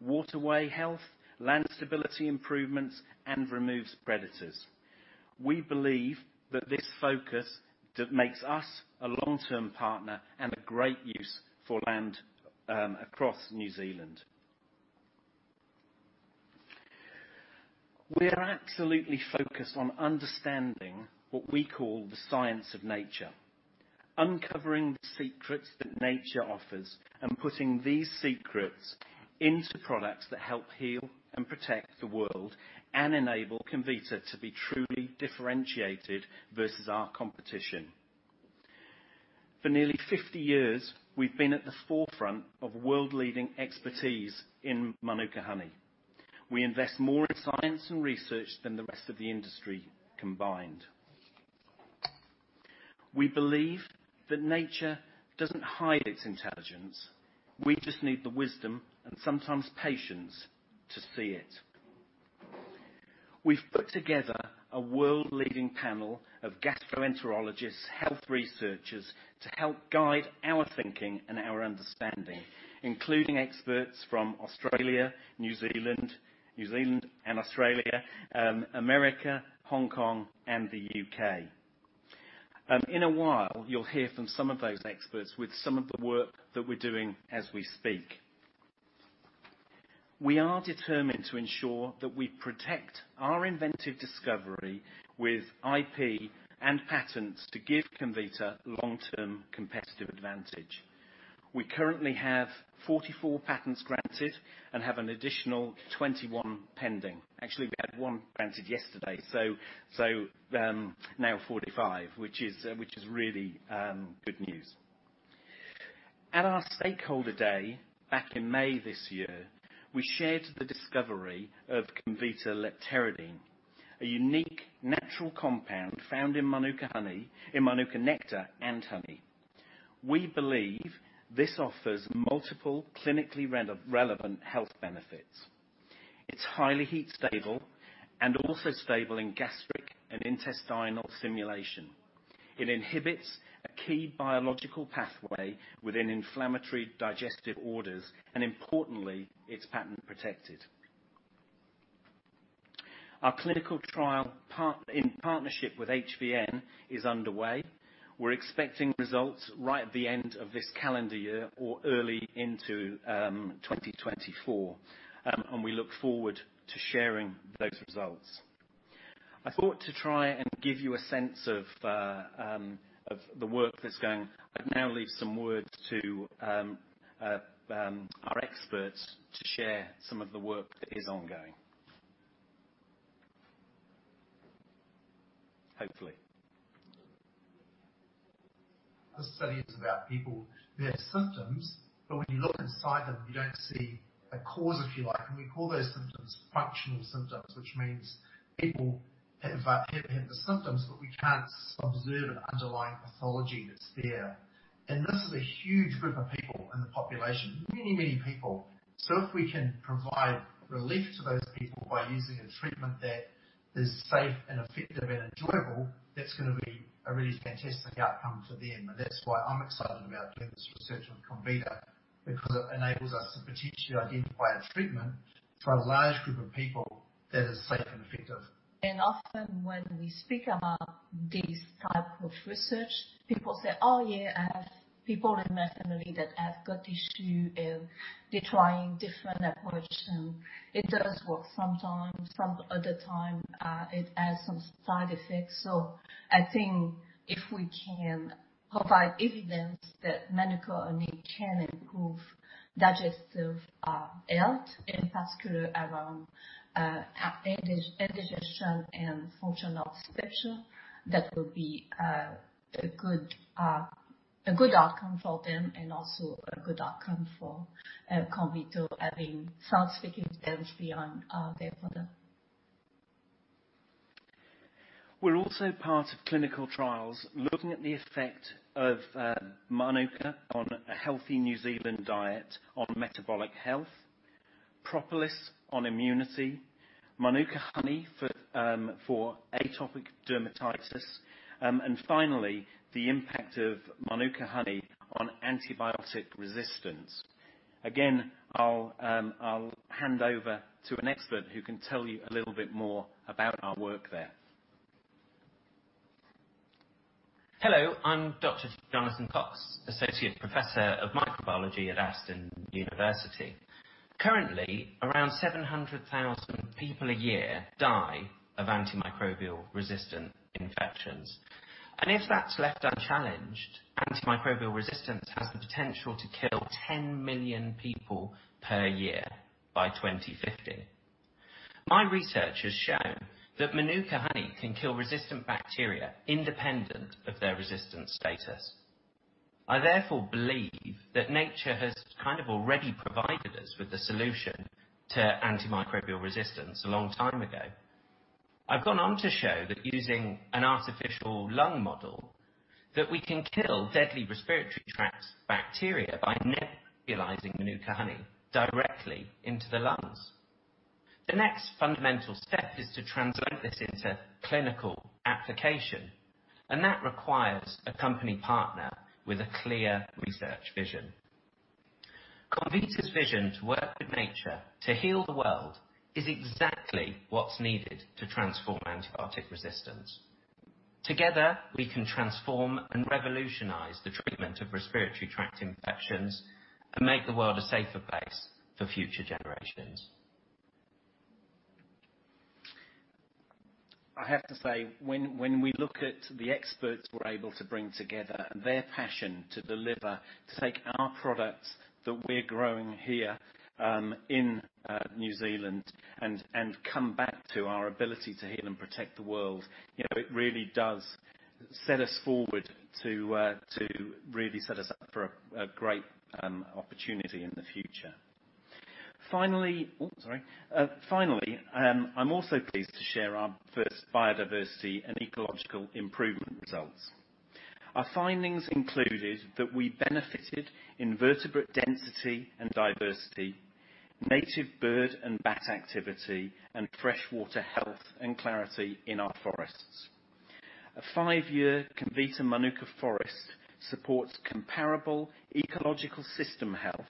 waterway health, land stability improvements, and removes predators. We believe that this focus makes us a long-term partner and a great use for land, across New Zealand. We are absolutely focused on understanding what we call the science of nature, uncovering the secrets that nature offers, and putting these secrets into products that help heal and protect the world and enable Comvita to be truly differentiated versus our competition. For nearly 50 years, we've been at the forefront of world-leading expertise in Mānuka honey. We invest more in science and research than the rest of the industry combined. We believe that nature doesn't hide its intelligence. We just need the wisdom, and sometimes patience, to see it. We've put together a world-leading panel of gastroenterologists, health researchers, to help guide our thinking and our understanding, including experts from Australia, New Zealand, New Zealand and Australia, America, Hong Kong, and the U.K. In a while, you'll hear from some of those experts with some of the work that we're doing as we speak. We are determined to ensure that we protect our inventive discovery with IP and patents to give Comvita long-term competitive advantage. We currently have 44 patents granted and have an additional 21 pending. Actually, we had one granted yesterday, so now 45, which is really good news. At our stakeholder day, back in May this year, we shared the discovery of Comvita Leptosperin, a unique natural compound found in Mānuka honey, in Mānuka nectar and honey. We believe this offers multiple clinically relevant health benefits. It's highly heat stable and also stable in gastric and intestinal simulation. It inhibits a key biological pathway within inflammatory digestive orders, and importantly, it's patent protected. Our clinical trial, part in partnership with HVN, is underway. We're expecting results right at the end of this calendar year or early into 2024. And we look forward to sharing those results. I thought to try and give you a sense of the work that's going. I'd now leave some words to our experts to share some of the work that is ongoing. Hopefully. The study is about people, their symptoms, but when you look inside them, you don't see a cause, if you like. We call those symptoms functional symptoms, which means people have the symptoms, but we can't observe an underlying pathology that's there. This is a huge group of people in the population, many, many people. So if we can provide relief to those people by using a treatment that is safe and effective and enjoyable, that's gonna be a really fantastic outcome for them. That's why I'm excited about doing this research on Comvita, because it enables us to potentially identify a treatment for a large group of people that is safe and effective. Often when we speak about this type of research, people say, "Oh, yeah, I have people in my family that have got issue, and they're trying different approach, and it does work sometimes. Some other time, it has some side effects." So I think if we can provide evidence that Mānuka honey can improve digestive health, in particular around indigestion and functional obstruction, that will be a good outcome for them, and also a good outcome for Comvita having scientific evidence beyond their product. We're also part of clinical trials looking at the effect of Mānuka on a healthy New Zealand diet on metabolic health, propolis on immunity, Mānuka honey for atopic dermatitis, and finally, the impact of Mānuka honey on antibiotic resistance. Again, I'll hand over to an expert who can tell you a little bit more about our work there. Hello, I'm Dr. Jonathan Cox, Associate Professor of Microbiology at Aston University. Currently, around 700,000 people a year die of antimicrobial resistant infections, and if that's left unchallenged, antimicrobial resistance has the potential to kill 10 million people per year by 2050. My research has shown that Mānuka honey can kill resistant bacteria independent of their resistance status. I therefore believe that nature has kind of already provided us with the solution to antimicrobial resistance a long time ago. I've gone on to show that using an artificial lung model, that we can kill deadly respiratory tract bacteria by nebulizing Mānuka honey directly into the lungs. The next fundamental step is to translate this into clinical application, and that requires a company partner with a clear research vision. Comvita's vision to work with nature to heal the world is exactly what's needed to transform antibiotic resistance. Together, we can transform and revolutionize the treatment of respiratory tract infections and make the world a safer place for future generations. I have to say, when we look at the experts we're able to bring together and their passion to deliver, to take our products that we're growing here in New Zealand, and come back to our ability to heal and protect the world, you know, it really does set us forward to really set us up for a great opportunity in the future. Finally, oh, sorry. Finally, I'm also pleased to share our first biodiversity and ecological improvement results. Our findings included that we benefited invertebrate density and diversity, native bird and bat activity, and freshwater health and clarity in our forests. A five-year Comvita Mānuka forest supports comparable ecological system health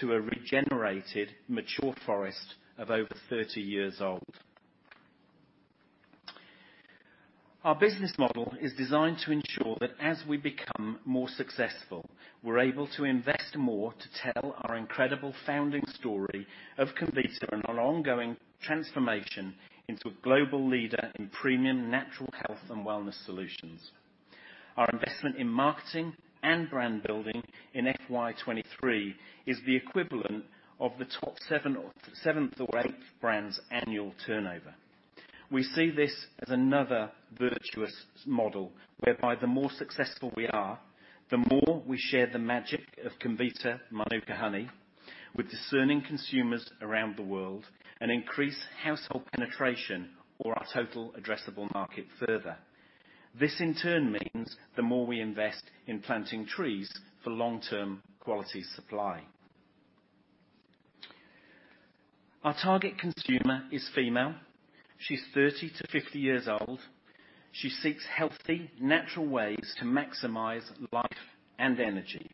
to a regenerated mature forest of over 30 years old. Our business model is designed to ensure that as we become more successful, we're able to invest more to tell our incredible founding story of Comvita and our ongoing transformation into a global leader in premium natural health and wellness solutions. Our investment in marketing and brand building in FY 23 is the equivalent of the top seven or seventh or eighth brand's annual turnover. We see this as another virtuous model, whereby the more successful we are, the more we share the magic of Comvita Mānuka honey with discerning consumers around the world and increase household penetration or our total addressable market further. This, in turn, means the more we invest in planting trees for long-term quality supply. Our target consumer is female. She's 30-50 years old. She seeks healthy, natural ways to maximize life and energy.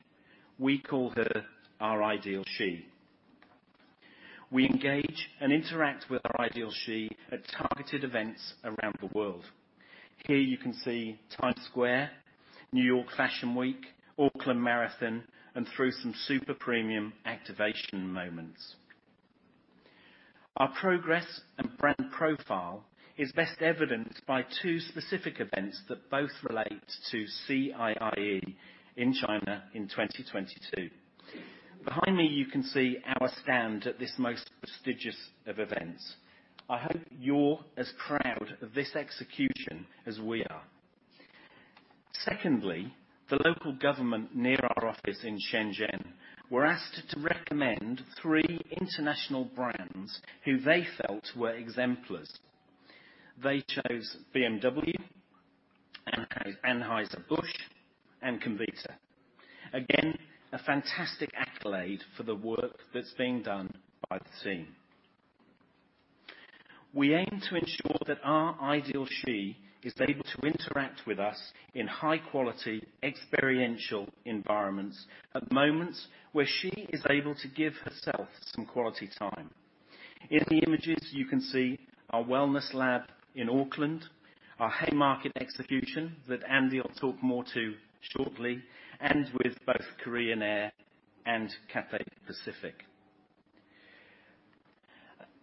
We call her our ideal she. We engage and interact with our ideal she at targeted events around the world. Here you can see Times Square, New York Fashion Week, Auckland Marathon, and through some super premium activation moments. Our progress and brand profile is best evidenced by two specific events that both relate to CIIE in China in 2022. Behind me, you can see our stand at this most prestigious of events. I hope you're as proud of this execution as we are. Secondly, the local government near our office in Shenzhen were asked to recommend three international brands who they felt were exemplars. They chose BMW, Anheuser-Busch, and Comvita. Again, a fantastic accolade for the work that's being done by the team. We aim to ensure that our ideal she is able to interact with us in high quality, experiential environments, at moments where she is able to give herself some quality time. In the images, you can see our wellness lab in Auckland, our Haymarket execution that Andy will talk more to shortly, and with both Korean Air and Cathay Pacific.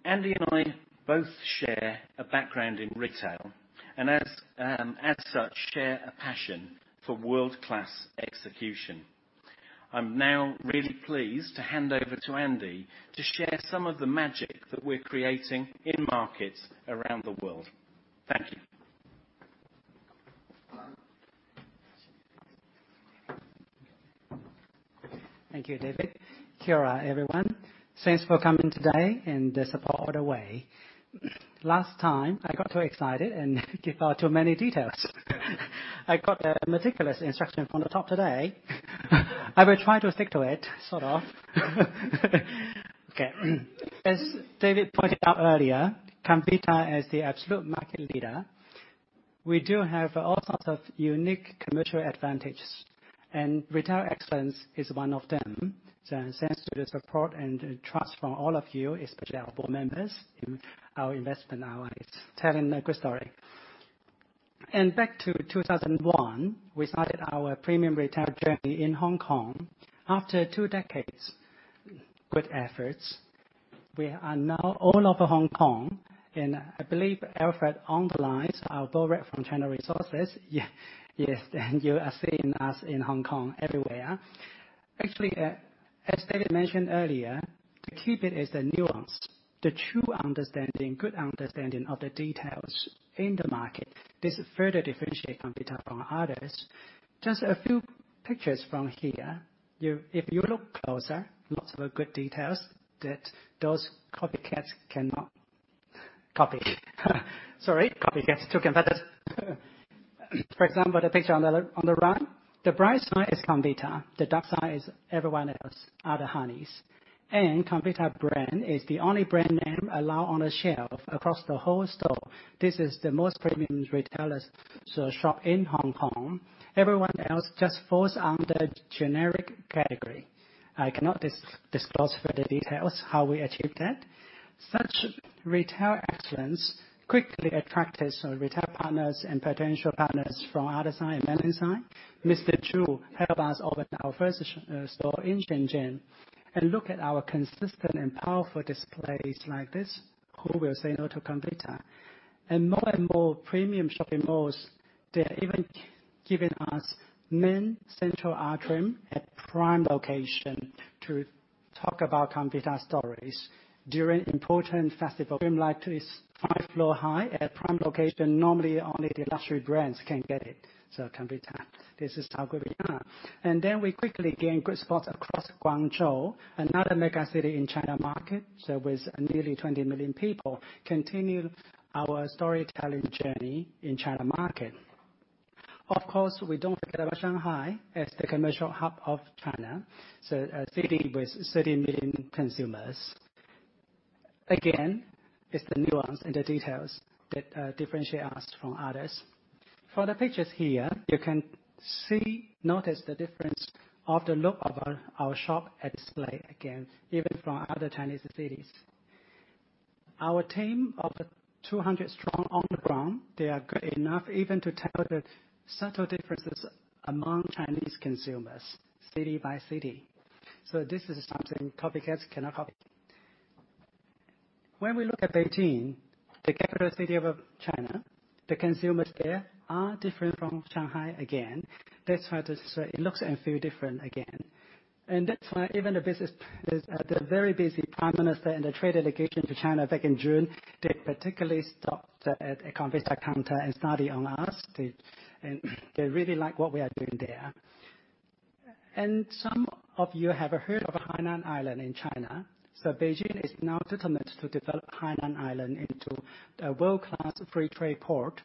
Andy and I both share a background in retail and as such, share a passion for world-class execution. I'm now really pleased to hand over to Andy to share some of the magic that we're creating in markets around the world. Thank you. Thank you, David. Kia ora, everyone. Thanks for coming today and the support all the way. Last time, I got too excited and gave out too many details. I got a meticulous instruction from the top today. I will try to stick to it, sort of. Okay. As David pointed out earlier, Comvita is the absolute market leader. We do have all sorts of unique commercial advantages, and retail excellence is one of them. So thanks to the support and trust from all of you, especially our board members, our investment, our telling a good story. And back to 2001, we started our premium retail journey in Hong Kong. After two decades, good efforts, we are now all over Hong Kong, and I believe Alfred Luk, our board rep from China Resources. Yeah. Yes, then you are seeing us in Hong Kong, everywhere. Actually, as David mentioned earlier, the key bit is the nuance, the true understanding, good understanding of the details in the market. This further differentiate Comvita from others. Just a few pictures from here, you if you look closer, lots of good details that those copycats cannot copy. Sorry, copycat competitors. For example, the picture on the right, the bright side is Comvita. The dark side is everyone else, other honeys. And Comvita brand is the only brand name allowed on the shelf across the whole store. This is the most premium retailers, so shop in Hong Kong. Everyone else just falls under generic category. I cannot disclose the details how we achieved that. Such retail excellence quickly attracted some retail partners and potential partners from other side, investment side. Mr. Chu helped us open our first store in Shenzhen, and look at our consistent and powerful displays like this. Who will say no to Comvita? And more and more premium shopping malls, they are even giving us main central art room at prime location to talk about Comvita stories. During important festival, like five-floor high at prime location, normally only the luxury brands can get it. So Comvita, this is how good we are. And then we quickly gain good spots across Guangzhou, another mega city in China market. So with nearly 20 million people, continue our storytelling journey in China market. Of course, we don't forget about Shanghai as the commercial hub of China, so a city with 13 million consumers. Again, it's the nuance and the details that differentiate us from others. For the pictures here, you can see, notice the difference of the look of our shop display again, even from other Chinese cities. Our team of the 200 strong on the ground, they are good enough even to tell the subtle differences among Chinese consumers, city by city. So this is something copycats cannot copy. When we look at Beijing, the capital city of China, the consumers there are different from Shanghai again. That's why this. It looks and feel different again. And that's why even the business, the very busy Prime Minister and the trade delegation to China back in June, they particularly stopped at a Comvita counter and study on us. They, and they really like what we are doing there. And some of you have heard of Hainan Island in China. Beijing is now determined to develop Hainan Island into a world-class free trade port.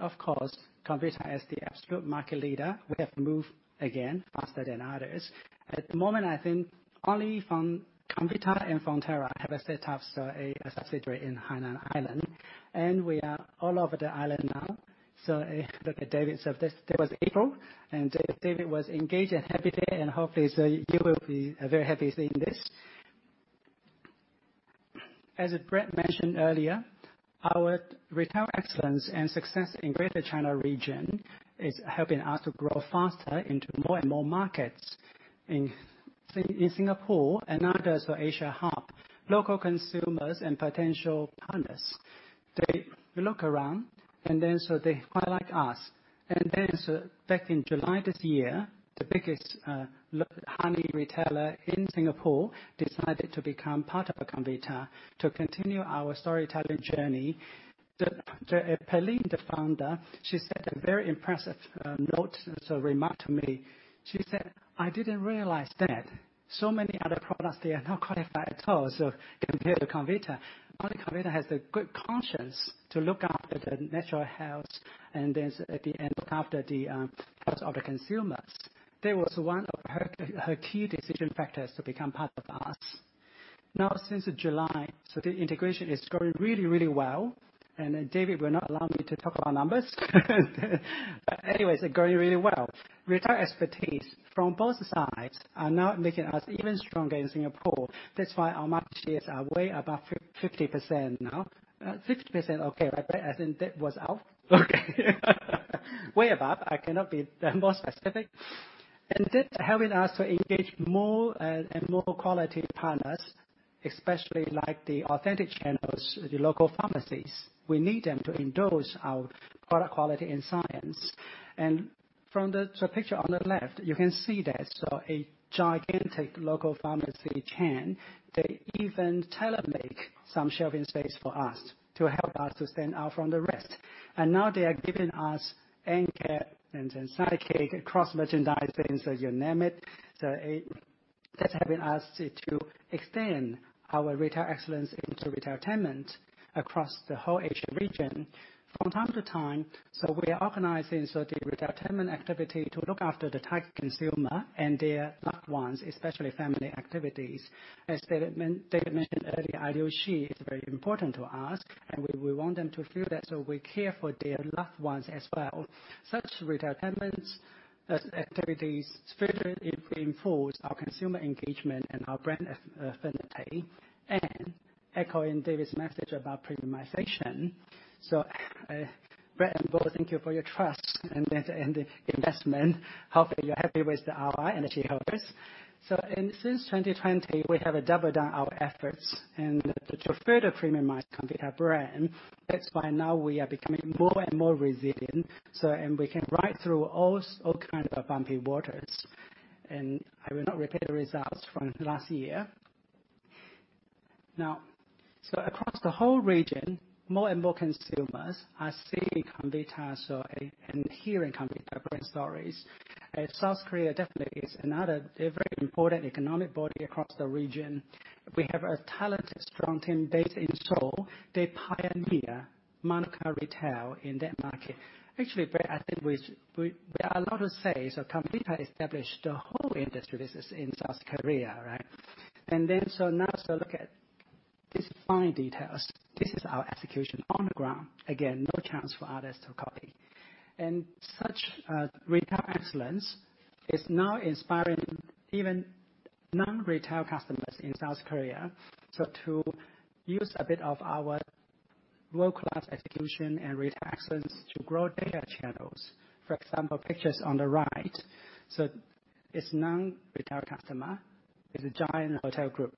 Of course, Comvita as the absolute market leader, we have moved again faster than others. At the moment, I think only Fonterra and Comvita have a set up, so a subsidiary in Hainan Island, and we are all over the island now. Look at David. This, that was April, and David was engaged and happy there, and hopefully, he will be very happy seeing this. As Brett mentioned earlier, our retail excellence and success in Greater China region is helping us to grow faster into more and more markets. In Singapore and others, so Asia hub, local consumers and potential partners, they look around, and then so they quite like us. And then, so back in July this year, the biggest local honey retailer in Singapore decided to become part of Comvita to continue our storytelling journey. Pearline, the founder, she said a very impressive notable remark to me. She said, "I didn't realize that so many other products, they are not qualified at all." So compared to Comvita, only Comvita has the good science to look after the natural health and then at the end, look after the health of the consumers. That was one of her, her key decision factors to become part of us. Now, since July, so the integration is going really, really well, and then David will not allow me to talk about numbers. But anyways, it's going really well. Retail expertise from both sides are now making us even stronger in Singapore. That's why our market shares are way above 50% now. 50%, okay, but I think that was off. Okay. Way above, I cannot be more specific. And that's helping us to engage more and more quality partners, especially like the authentic channels, the local pharmacies. We need them to endorse our product quality and science. And from the picture on the left, you can see that, so a gigantic local pharmacy chain, they even tailor-make some shelving space for us to help us to stand out from the rest. And now they are giving us end cap and then sidekick, cross merchandising, so you name it. That's helping us to extend our retail excellence into retailtainment across the whole Asia region. From time to time, we are organizing the retailtainment activity to look after the target consumer and their loved ones, especially family activities. As David mentioned earlier, ideology is very important to us, and we want them to feel that we care for their loved ones as well. Such retailtainment activities further reinforce our consumer engagement and our brand affinity, echoing David's message about premiumization. Brett and Board, thank you for your trust and the investment. Hopefully, you're happy with our energy levels. Since 2020, we have doubled down our efforts to further premiumize Comvita brand. That's why now we are becoming more and more resilient, and we can ride through all kinds of bumpy waters. I will not repeat the results from last year. Now, so across the whole region. More and more consumers are seeing Comvita, so, and hearing Comvita brand stories. And South Korea definitely is another, a very important economic body across the region. We have a talented, strong team based in Seoul. They pioneer modern retail in that market. Actually, Brett, I think we, we, there are a lot to say. So Comvita established the whole industry business in South Korea, right? And then, so now so look at these fine details. This is our execution on the ground. Again, no chance for others to copy. And such retail excellence is now inspiring even non-retail customers in South Korea. So to use a bit of our world-class execution and retail excellence to grow other channels, for example, pictures on the right. So it's non-retail customer. It's a giant hotel group,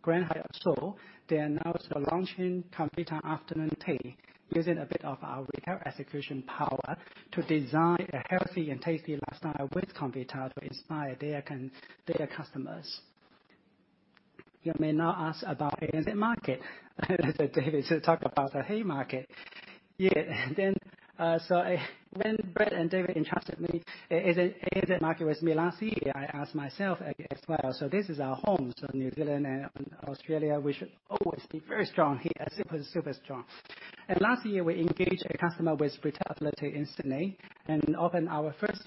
Grand Hyatt. Grand Hyatt Seoul, they are now so launching Comvita afternoon tea, using a bit of our retail execution power to design a healthy and tasty lifestyle with Comvita to inspire their customers. You may now ask about the ANZ market. So David, so talk about the Haymarket. Yeah, then, so when Brett and David entrusted me, ANZ market with me last year, I asked myself as well. So this is our home, so New Zealand and Australia, we should always be very strong here, super, super strong. And last year, we engaged a customer with retail ability in Sydney and opened our first,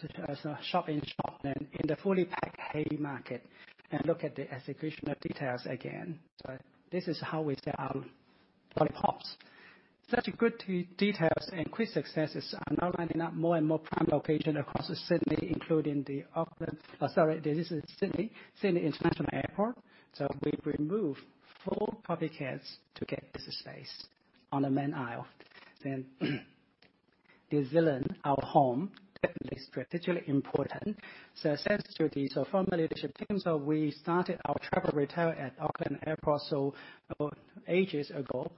shop in shop in the fully packed Haymarket. And look at the execution of details again. So this is how we sell our lollipops. Such good details and quick successes are now lining up more and more prime location across Sydney, including Sydney International Airport. Sorry, this is Sydney, Sydney International Airport. So we've removed four coffee shops to get this space on the main aisle. Then, New Zealand, our home, definitely strategically important. So thanks to the former leadership team, so we started our travel retail at Auckland Airport, ages ago.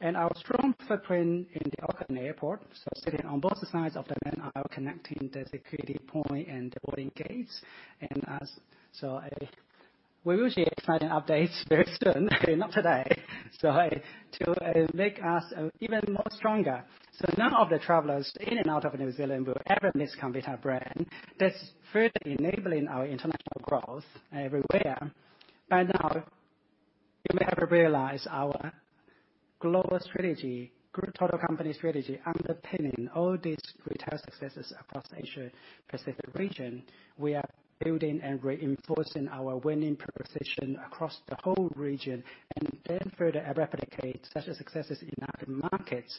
And our strong footprint in Auckland Airport, so sitting on both sides of the main aisle, connecting the security point and the boarding gates. And so, we will share exciting updates very soon, not today. So to make us even more stronger, so none of the travelers in and out of New Zealand will ever miss Comvita brand. That's further enabling our international growth everywhere. By now, you may have realized our global strategy, group total company strategy, underpinning all these retail successes across the Asia Pacific region. We are building and reinforcing our winning position across the whole region and then further replicate such successes in other markets.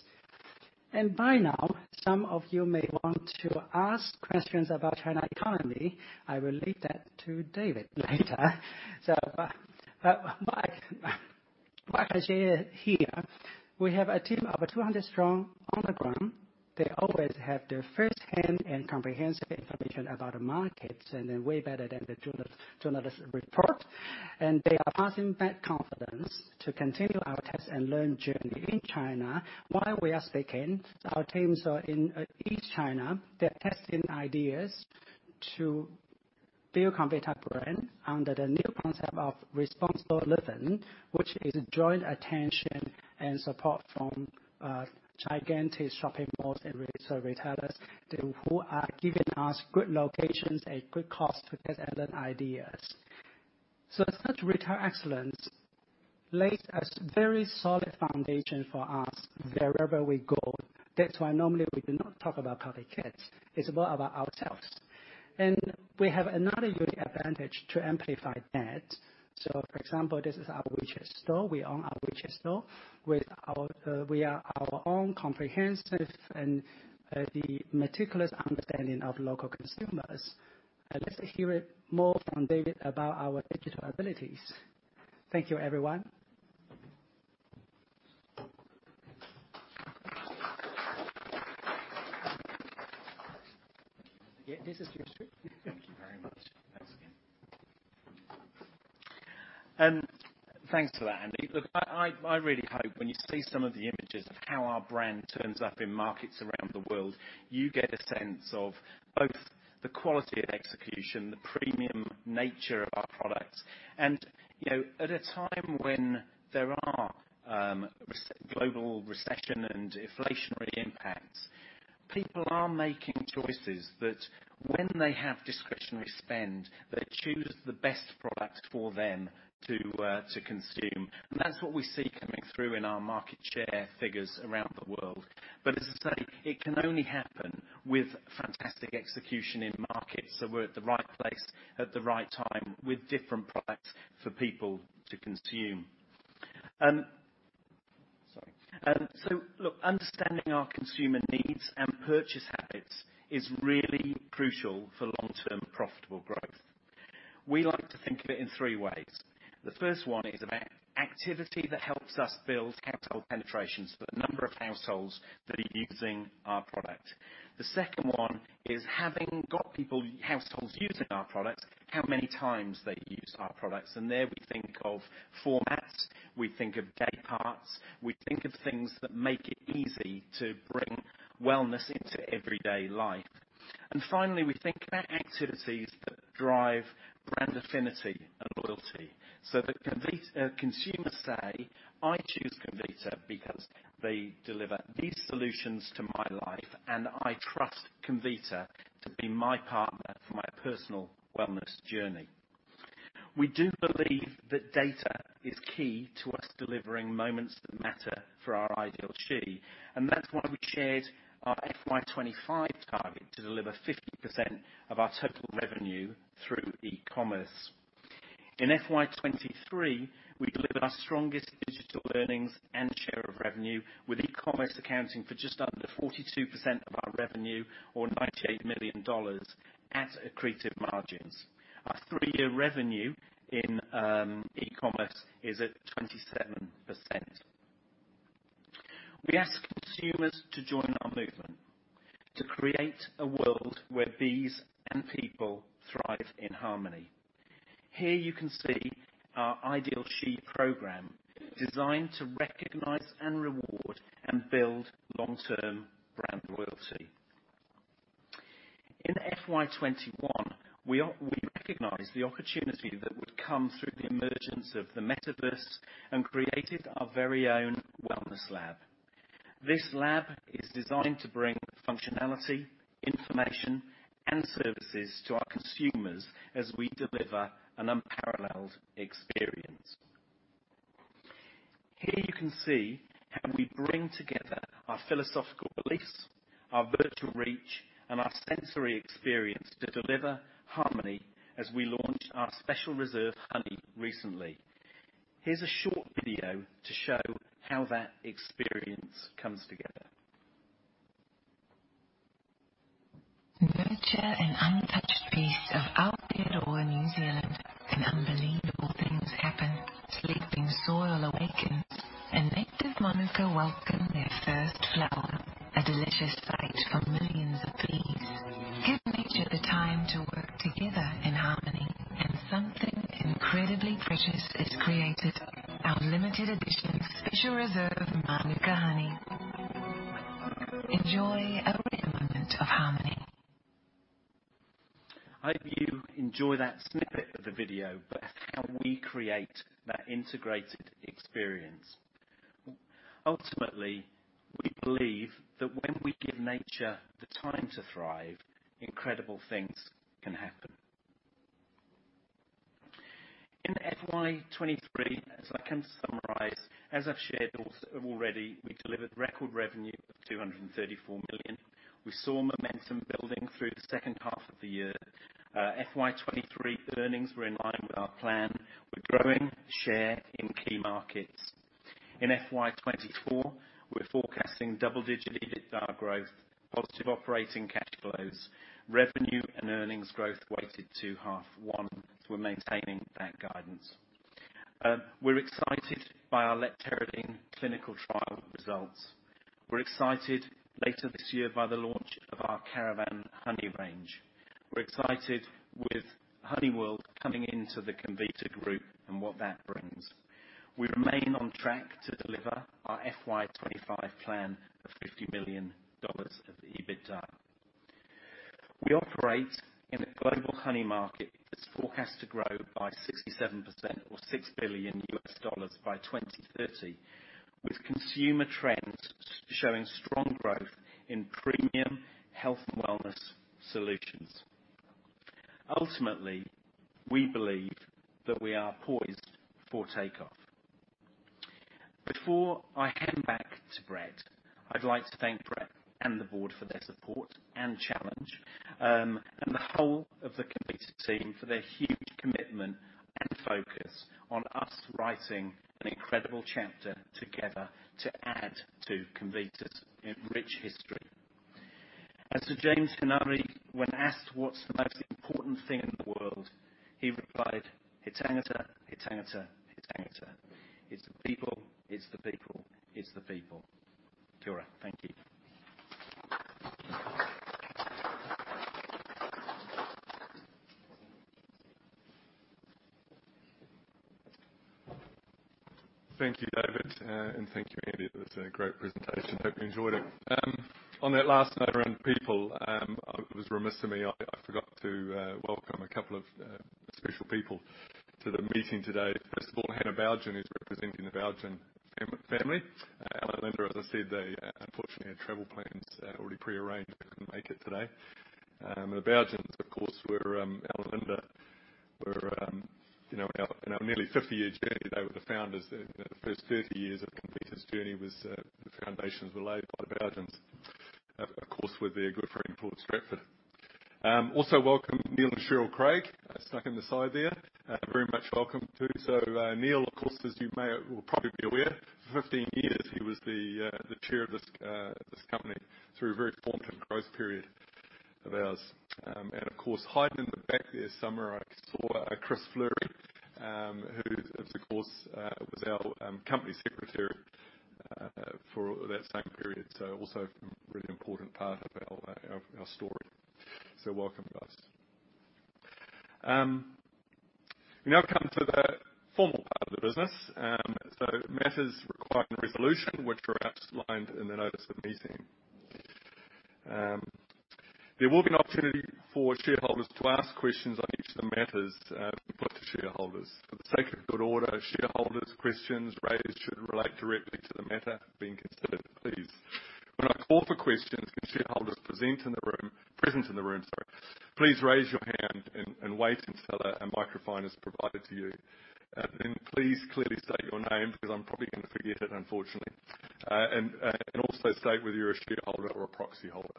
By now, some of you may want to ask questions about China economy. I will leave that to David later. So but, but what I, what I share here, we have a team of 200 strong on the ground. They always have the first-hand and comprehensive information about the markets, and they're way better than the journalist, journalist report, and they are passing back confidence to continue our test-and-learn journey in China. While we are speaking, our teams are in East China. They're testing ideas to build Comvita brand under the new concept of responsible living, which is joint attention and support from gigantic shopping malls and retail, so retailers, they who are giving us good locations at good cost to test out ideas. Such retail excellence lays a very solid foundation for us wherever we go. That's why normally we do not talk about coffee kits. It's more about ourselves. We have another unique advantage to amplify that. For example, this is our WeChat Store. We own our WeChat Store. With our, we are our own comprehensive and the meticulous understanding of local consumers. Let's hear it more from David about our digital abilities. Thank you, everyone. Thank you very much. Thanks again. Thanks for that, Andy. Look, I really hope when you see some of the images of how our brand turns up in markets around the world, you get a sense of both the quality of execution, the premium nature of our products. And, you know, at a time when there are global recession and inflationary impacts, people are making choices that when they have discretionary spend, they choose the best product for them to consume. And that's what we see coming through in our market share figures around the world. But as I say, it can only happen with fantastic execution in markets, so we're at the right place, at the right time, with different products for people to consume. So look, understanding our consumer needs and purchase habits is really crucial for long-term profitable growth. We like to think of it in three ways. The first one is about activity that helps us build household penetrations, so the number of households that are using our product. The second one is having got people, households using our products, how many times they use our products, and there we think of formats, we think of day parts, we think of things that make it easy to bring wellness into everyday life. Finally, we think about activities that drive brand affinity and loyalty, so that Comvita consumers say, "I choose Comvita because they deliver these solutions to my life, and I trust Comvita to be my partner for my personal wellness journey." We do believe that data is key to us delivering moments that matter for our ideal she, and that's why we shared our FY 2025 target to deliver 50% of our total revenue through e-commerce. In FY 2023, we delivered our strongest digital earnings and share of revenue, with e-commerce accounting for just under 42% of our revenue, or 98 million dollars at accretive margins. Our three-year revenue in e-commerce is at 27%. We ask consumers to join our movement, to create a world where bees and people thrive in harmony. Here you can see our Ideal She program, designed to recognize, and reward, and build long-term brand loyalty. In FY 2021, we we recognized the opportunity that would come through the emergence of the metaverse and created our very own wellness lab. This lab is designed to bring functionality, information, and services to our consumers as we deliver an unparalleled experience. Here you can see how we bring together our philosophical beliefs, our virtual reach, and our sensory experience to deliver harmony as we launch our special reserve honey recently. Here's a short video to show how that experience comes together. Nurture an untouched piece of Aotearoa, New Zealand, and unbelievable things happen. Sleeping soil awakens, and native Mānuka welcome their first flower, a delicious sight for millions of bees. Give nature the time to work together in harmony, and something incredibly precious is created. Our limited edition Special Reserve Mānuka Honey. Enjoy every moment of harmony. I hope you enjoyed that snippet of the video about how we create that integrated experience. Ultimately, we believe that when we give nature the time to thrive, incredible things can happen. In FY 2023, as I can summarize, as I've shared also already, we delivered record revenue of 234 million. We saw momentum building through the second half of the year. FY 2023 earnings were in line with our plan. We're growing share in key markets. In FY 2024, we're forecasting double-digit EBITDA growth, positive operating cash flows, revenue and earnings growth weighted to half one, so we're maintaining that guidance. We're excited by our Leptosperin clinical trial results. We're excited later this year by the launch of our Caravan honey range. We're excited with HoneyWorld coming into the Comvita group and what that brings. We remain on track to deliver our FY 2025 plan of 50 million dollars of EBITDA. We operate in a global honey market that's forecast to grow by 67% or $6 billion by 2030, with consumer trends showing strong growth in premium health and wellness solutions. Ultimately, we believe that we are poised for takeoff. Before I hand back to Brett, I'd like to thank Brett and the board for their support and challenge, and the whole of the Comvita team for their huge commitment and focus on us writing an incredible chapter together to add to Comvita's rich history. As Sir James Henare, when asked what's the most important thing in the world, he replied, "It's the people, it's the people, it's the people." Kia ora, thank you. Thank you, David, and thank you, Andy. That's a great presentation. Hope you enjoyed it. On that last note around people, I was remiss to me, I forgot to welcome a couple of special people to the meeting today. First of all, Hannah Bougen, who's representing the Bougen family. Linda, as I said, they unfortunately had travel plans already pre-arranged and couldn't make it today. And the Bougens, of course, were, Al and Linda were, you know, in our nearly 50-year journey, they were the founders. In the first 30 years of Comvita's journey was, the foundations were laid by the Bougens. Of course, with their good friend, Paul Stratford. Also welcome, Neil and Cheryl Craig, snuck in the side there. Very much welcome, too. So, Neil, of course, as you may or probably be aware, for 15 years, he was the, the Chair of this, this company through a very important and growth period of ours. And of course, hiding in the back there somewhere, I saw, Chris Fleury, who is, of course, was our, Company Secretary, for that same period, so also a really important part of our, our, our story. So welcome, guys. We now come to the formal part of the business. So matters requiring resolution, which are outlined in the notice of meeting. There will be an opportunity for shareholders to ask questions on each of the matters, put to shareholders. For the sake of good order, shareholders' questions raised should relate directly to the matter being considered, please. When I call for questions, can shareholders present in the room, sorry, please raise your hand and wait until a microphone is provided to you. Then please clearly state your name, because I'm probably going to forget it, unfortunately. And also state whether you're a shareholder or a proxyholder.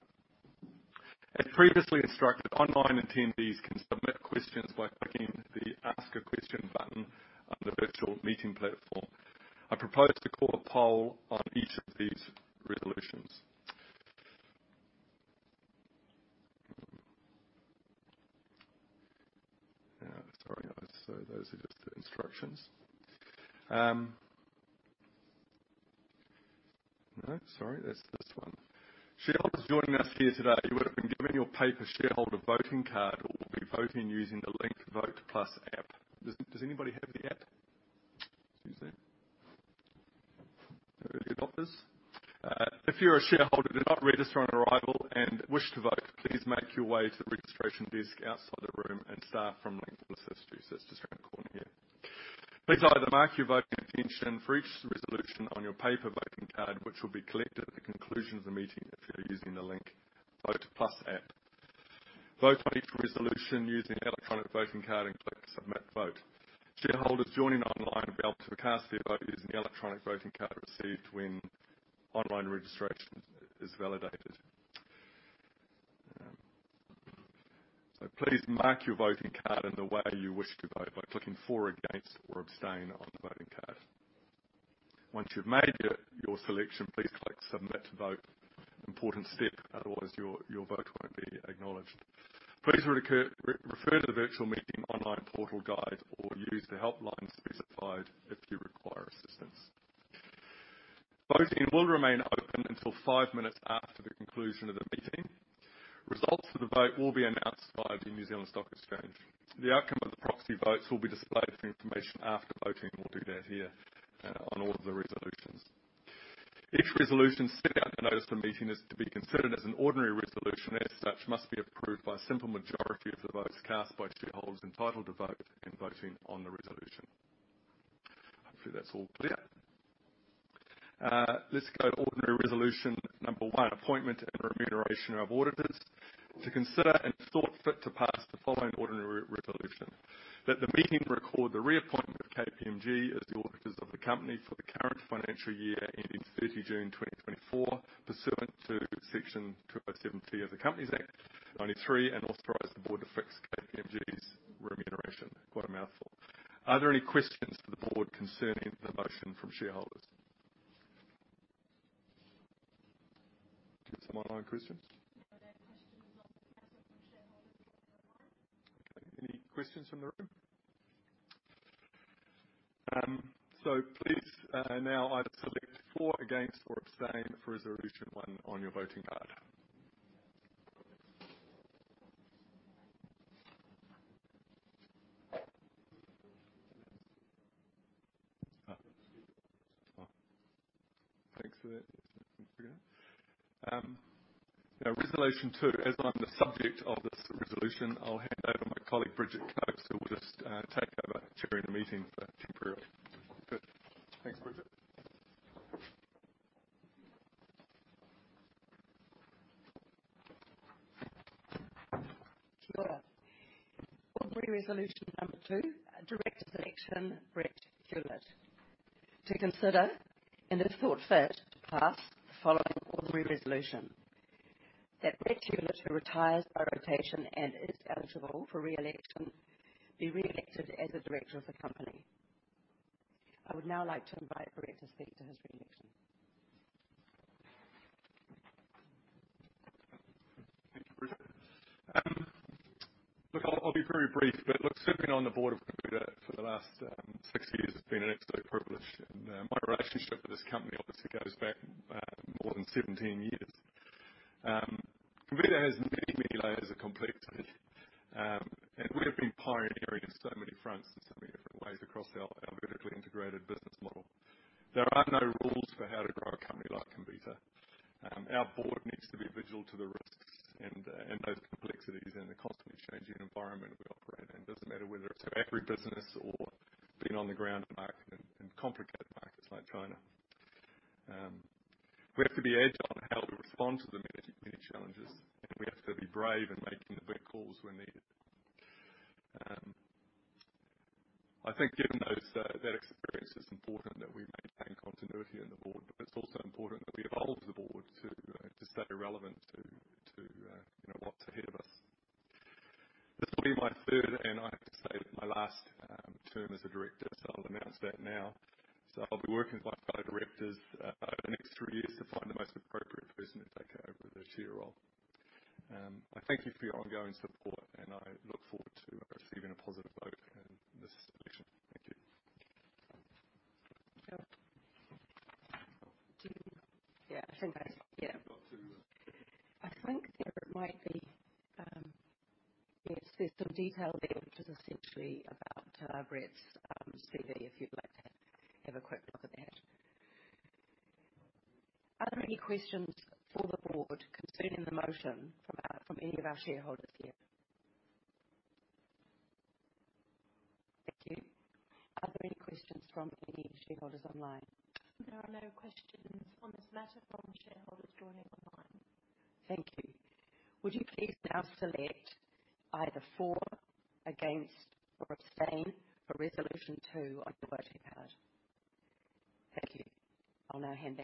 As previously instructed, online attendees can submit questions by clicking the Ask a Question button on the virtual meeting platform. I propose to call a poll on each of these resolutions. Sorry, guys. So those are just the instructions. No, sorry, that's this one. Shareholders joining us here today would have been given your paper shareholder voting card or will be voting using the LinkVote+ app. Does anybody have the app? Excuse me. Early adopters? If you're a shareholder and did not register on arrival and wish to vote, please make your way to the registration desk outside the room and start from Link Associate. So that's just around the corner here. Please either mark your voting intention for each resolution on your paper voting card, which will be collected at the conclusion of the meeting if you're using the LinkVote+ app. Vote on each resolution using the electronic voting card and click Submit Vote. Shareholders joining online will be able to cast their vote using the electronic voting card received when online registration is validated. So please mark your voting card in the way you wish to vote by clicking For, Against, or Abstain on the voting card. Once you've made your selection, please click Submit Vote. Important step, otherwise your vote won't be acknowledged. Please refer to the virtual meeting online portal guide or use the helpline specified if you require assistance. Voting will remain open until five minutes after the conclusion of the meeting. Results of the vote will be announced by the New Zealand Stock Exchange. The outcome of the proxy votes will be displayed for information after voting, and we'll do that here on all of the resolutions. Each resolution set out in the notice of the meeting is to be considered as an ordinary resolution, and as such, must be approved by a simple majority of the votes cast by shareholders entitled to vote and voting on the resolution. Hopefully, that's all clear. Let's go to ordinary resolution number one, appointment and remuneration of auditors. To consider and, if thought fit, to pass the following ordinary resolution: That the meeting record the reappointment of KPMG as the auditors of the company for the current financial year, ending 30 June 2024, pursuant to Section 207T of the Companies Act 1993, and authorize the board to fix KPMG's remuneration. Quite a mouthful. Are there any questions for the board concerning the motion from shareholders? Do we have some online questions? No, there are questions on the call from shareholders online. Okay, any questions from the room? So please now either select For, Against, or Abstain for resolution one on your voting card. Oh, thanks for that. Now, resolution two, as I'm the subject of this resolution, I'll hand over to my colleague, Bridget Coates, who will just take over chairing the meeting temporarily. Thanks, Bridget. Sure. Ordinary resolution number two, director election, Brett Hewlett. To consider, and if thought fit, pass the following ordinary resolution: That Brett Hewlett, who retires by rotation and is eligible for reelection, be reelected as a director of the company. I would now like to invite Brett to speak to his reelection. Thank you, Bridget. Look, I'll be very brief, but look, serving on the board of Comvita for the last six years has been an absolute privilege. My relationship with this company obviously goes back more than 17 years. Comvita has many, many layers of complexity. We have been pioneering on so many fronts in so many different ways across our vertically integrated business model. There are no rules for how to grow a company like Comvita. Our board needs to be vigilant to the risks and those complexities in the constantly changing environment we operate in. Doesn't matter whether it's our agri business or being on the ground in market, in complicated markets like China. We have to be agile in how we respond to the many, many challenges, and we have to be brave in making the big calls when needed. I think given those, that experience, it's important that we maintain continuity in the board, but it's also important that we evolve the board to stay relevant to, you know, what's ahead of us. This will be my third, and I have to say, my last, term as a director, so I'll announce that now. So I'll be working with my fellow directors, over the next three years to find the most appropriate person to take over the chair role. I thank you for your ongoing support, and I look forward to receiving a positive vote. Yeah, I think I, yeah. I think there might be, yes, there's some detail there, which is essentially about, Brett's, CV, if you'd like to have a quick look at that. Are there any questions for the board concerning the motion from any of our shareholders here? Thank you. Are there any questions from any shareholders online? There are no questions on this matter from shareholders joining online. Thank you. Would you please now select either for, against, or abstain for resolution two on your voting card? Thank you. I'll now hand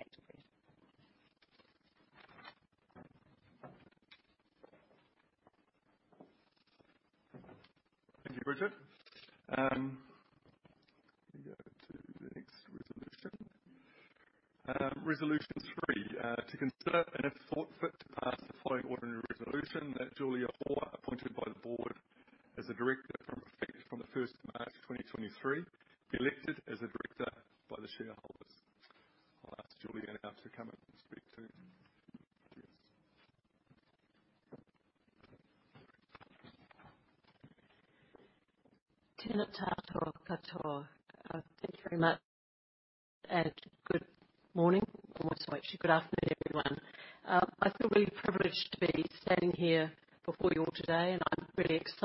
back to Brett. Thank you, Bridget. Let me go to the next resolution. Resolution three, to consider and, if thought fit, to pass the following ordinary resolution: that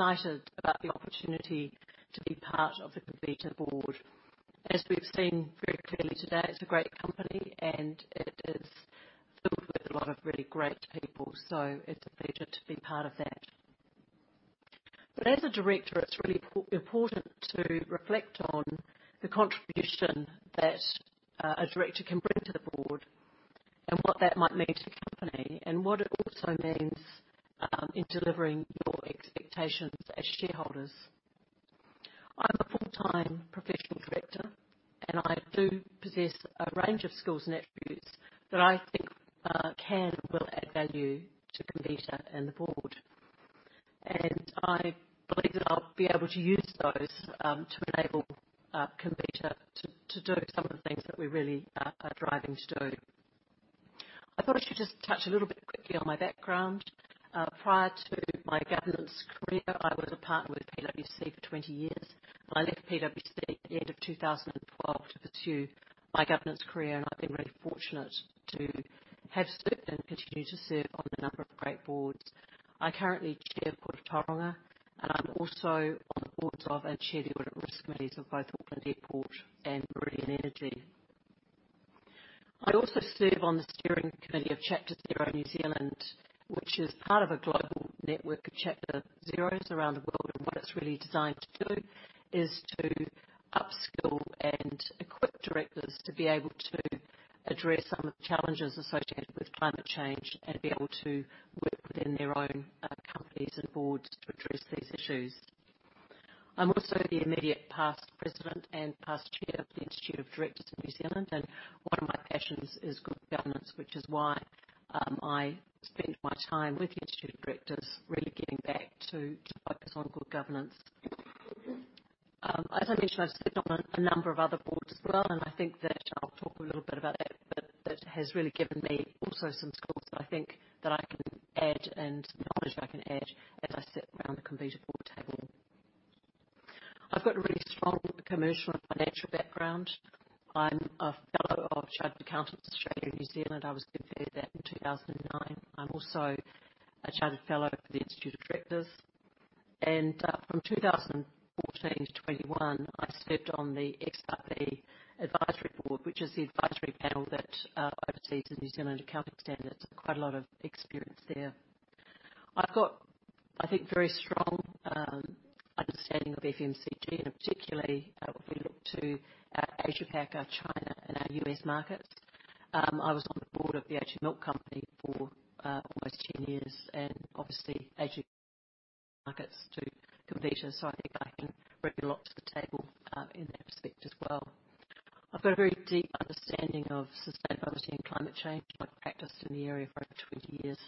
Julia Hoare, appointed by the board as a director from effect from the first of March 2023, be elected as a director by the shareholders. I'll ask Julia now to come and speak to this. Thank you very much, and good morning. Oh, sorry, good afternoon, everyone. I feel really privileged to be standing here before you all today, and I'm really excited about the opportunity to be part of the Comvita board. As we've seen very clearly today, it's a great company, and it is filled with a lot of really great people, so it's a pleasure to be part of that. But as a director, it's really important to reflect on the contribution that a director can bring to the board and what that might mean to the company, and what it also means in delivering your expectations as shareholders. I'm a full-time professional director, and I do possess a range of skills and attributes that I think can and will add value to Comvita and the board. I believe that I'll be able to use those to enable Comvita to do some of the things that we really are driving to do. I thought I should just touch a little bit quickly on my background. Prior to my governance career, I was a partner with PwC for 20 years. I left PwC at the end of 2012 to pursue my governance career, and I've been really fortunate to have served, and continue to serve, on a number of great boards. I currently chair Port of Tauranga, and I'm also on the boards of, and chair the audit risk committees of both Auckland Airport and Meridian Energy. I also serve on the steering committee of Chapter Zero New Zealand, which is part of a global network of Chapter Zeros around the world. What it's really designed to do is to upskill and equip directors to be able to address some of the challenges associated with climate change and be able to work within their own companies and boards to address these issues. I'm also the immediate past president and past chair of the Institute of Directors New Zealand, and one of my passions is good governance, which is why I spend my time with the Institute of Directors New Zealand, really giving back to focus on good governance. As I mentioned, I've served on a number of other boards as well, and I think that I'll talk a little bit about that, but that has really given me also some skills that I think that I can add, and knowledge I can add, as I sit around the Comvita board table. I've got a really strong commercial and financial background. I'm a fellow of Chartered Accountants Australia and New Zealand. I was conferred that in 2009. I'm also a chartered fellow of the Institute of Directors. And from 2014 to 2021, I served on the XRB advisory board, which is the advisory panel that oversees the New Zealand Accounting Standards. Quite a lot of experience there. I've got, I think, very strong understanding of FMCG, and particularly when we look to our Asia Pacific, our China and our U.S. markets. I was on the board of the a2 Milk Company for almost 10 years, and obviously Asian markets to Comvita, so I think I can bring a lot to the table in that respect as well. I've got a very deep understanding of sustainability and climate change. I practiced in the area for over 20 years,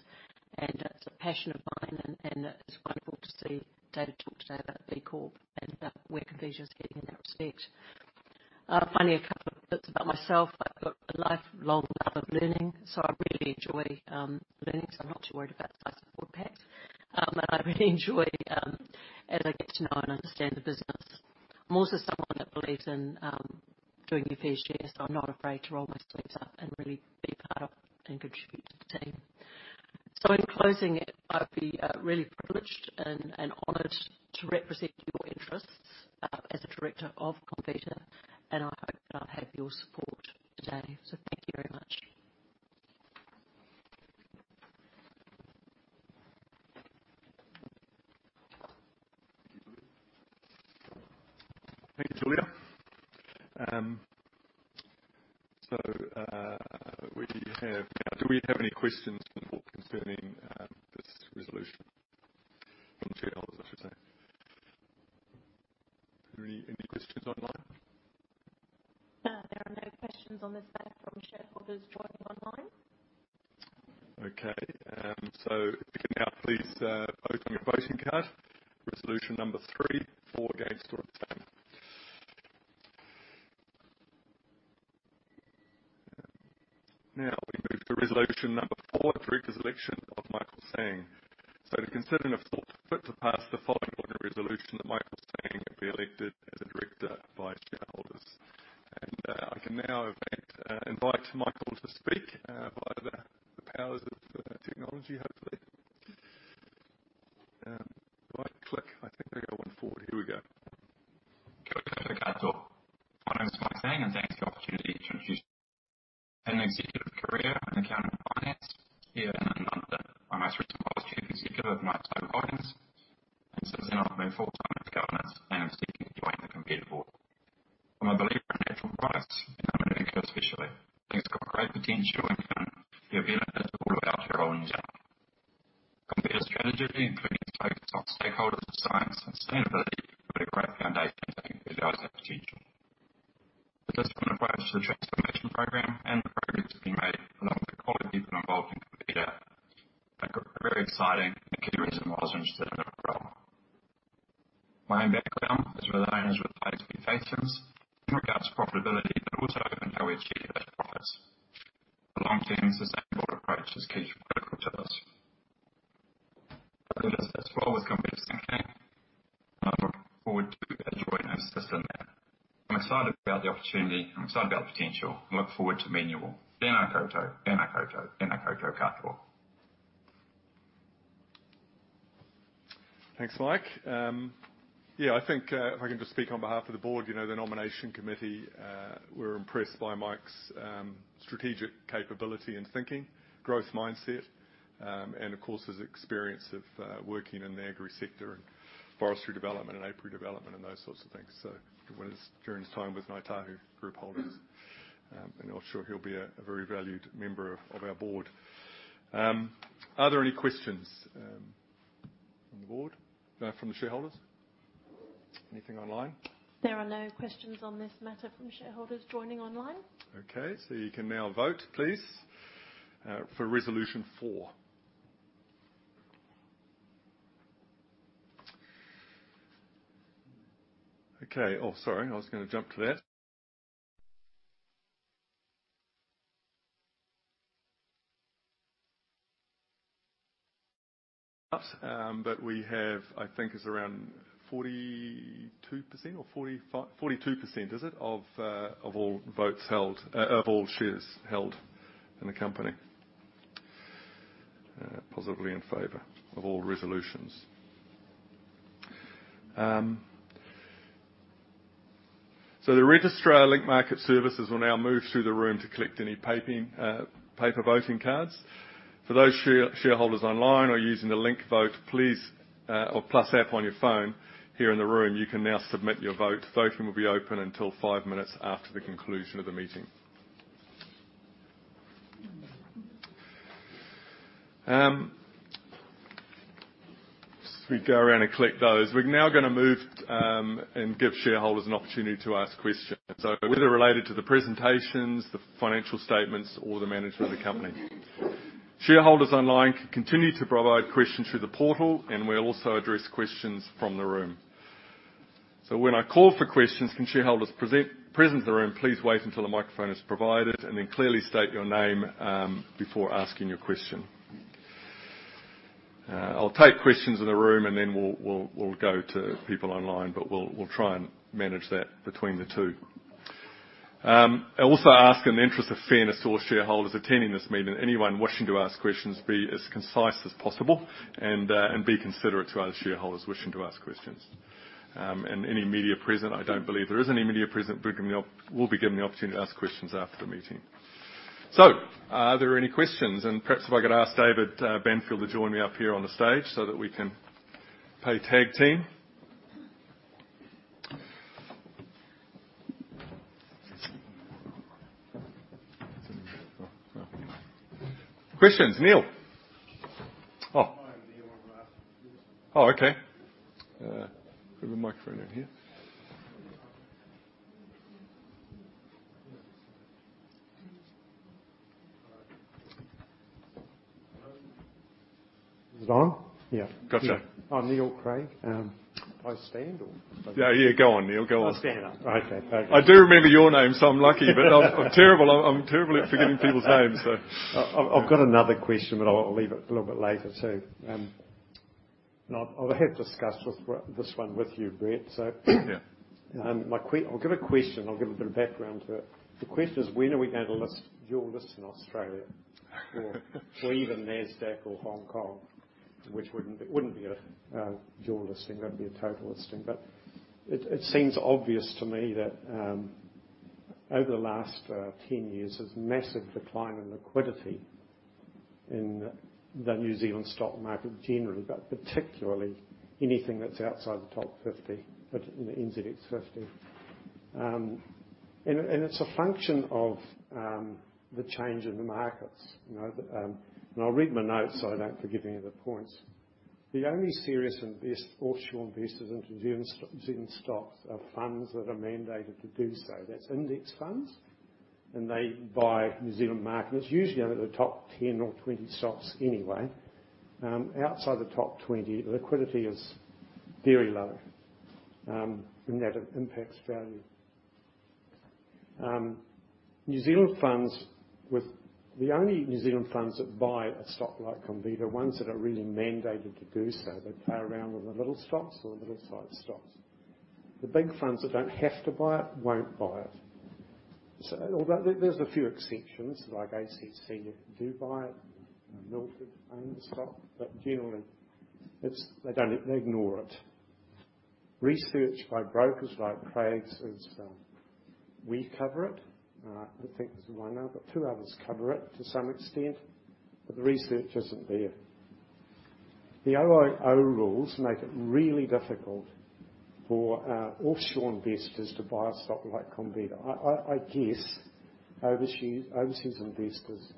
and it's a passion of mine, and, and it's wonderful to see David talk today about B Corp and about where Comvita is heading in that respect. Finally, a couple of bits about myself. I've got a lifelong love of learning, so I really enjoy learning. So I'm not too worried about the size of the board pack. And I really enjoy, as I get to know and understand the business. I'm also someone that believes in doing your PhD, so I'm not afraid to roll my sleeves up and really be part of and contribute to the team. So in closing, I'd be really privileged and, and honored to represent your interests as a director of Comvita, and I hope that I'll have your support today. So thank you very much. Thank you, Julia. So, we have... Do we have any questions concerning this resolution? From shareholders, I should say. Are there any, any questions online? There are no questions on this matter from shareholders joining online. Okay, so you can now please open your voting card. Resolution number three, forestry development and apiary development, and those sorts of things. So during his time with Ngāi Tahu Holdings, and I'm sure he'll be a, a very valued member of, of our board. Are there any questions, from the board? From the shareholders? Anything online? There are no questions on this matter from shareholders joining online. Okay, so you can now vote, please, for resolution four. Okay. Oh, sorry, I was gonna jump to that. But we have, I think, it's around 42% or 42%, is it, of all votes held of all shares held in the company, positively in favor of all resolutions. So the registrar, Link Market Services, will now move through the room to collect any paper voting cards. For those shareholders online or using the LinkVote+ app on your phone, here in the room, you can now submit your vote. Voting will be open until five minutes after the conclusion of the meeting. As we go around and collect those, we're now gonna move, and give shareholders an opportunity to ask questions. So whether related to the presentations, the financial statements, or the management of the company. Shareholders online can continue to provide questions through the portal, and we'll also address questions from the room. So when I call for questions from shareholders present in the room, please wait until the microphone is provided, and then clearly state your name before asking your question. I'll take questions in the room, and then we'll go to people online, but we'll try and manage that between the two. I also ask, in the interest of fairness to all shareholders attending this meeting, anyone wishing to ask questions be as concise as possible and be considerate to other shareholders wishing to ask questions. And any media present, I don't believe there is any media present, but will be given the opportunity to ask questions after the meeting. So, are there any questions? And perhaps if I could ask David Banfield to join me up here on the stage so that we can play tag team. Questions, Neil? Oh. Oh, okay. Put the microphone out here. Is it on? Yeah. Gotcha. I'm Neil Craig. Do I stand or? Yeah, yeah, go on, Neil. Go on. I'll stand up. Okay, perfect. I do remember your name, so I'm lucky, but I'm terrible at forgetting people's names, so... I've got another question, but I'll leave it a little bit later, too. And I have discussed with... this one with you, Brett. So, Yeah. My question, I'll give a bit of background to it. The question is: when are we going to list, dual list in Australia? Or, or even NASDAQ or Hong Kong, which wouldn't be a dual listing, that'd be a total listing. But it seems obvious to me that, over the last 10 years, there's massive decline in liquidity in the New Zealand stock market generally, but particularly anything that's outside the top 50, but in the NZX50. And it's a function of the change in the markets, you know. And I'll read my notes, so I don't forget any of the points. The only serious offshore investors into New Zealand stocks are funds that are mandated to do so. That's index funds, and they buy New Zealand markets, usually only the top 10 or 20 stocks anyway. Outside the top 20, liquidity is very low, and that impacts value. The only New Zealand funds that buy a stock like Comvita are ones that are really mandated to do so. They play around with the little stocks or the little side stocks. The big funds that don't have to buy it won't buy it. So although there, there's a few exceptions, like ACC do buy it, and Milford own the stock, but generally, it's, they don't, they ignore it. Research by brokers like Craigs is, we cover it. I think there's one other, but two others cover it to some extent, but the research isn't there. The OIO rules make it really difficult for offshore investors to buy a stock like Comvita. I guess overseas investors,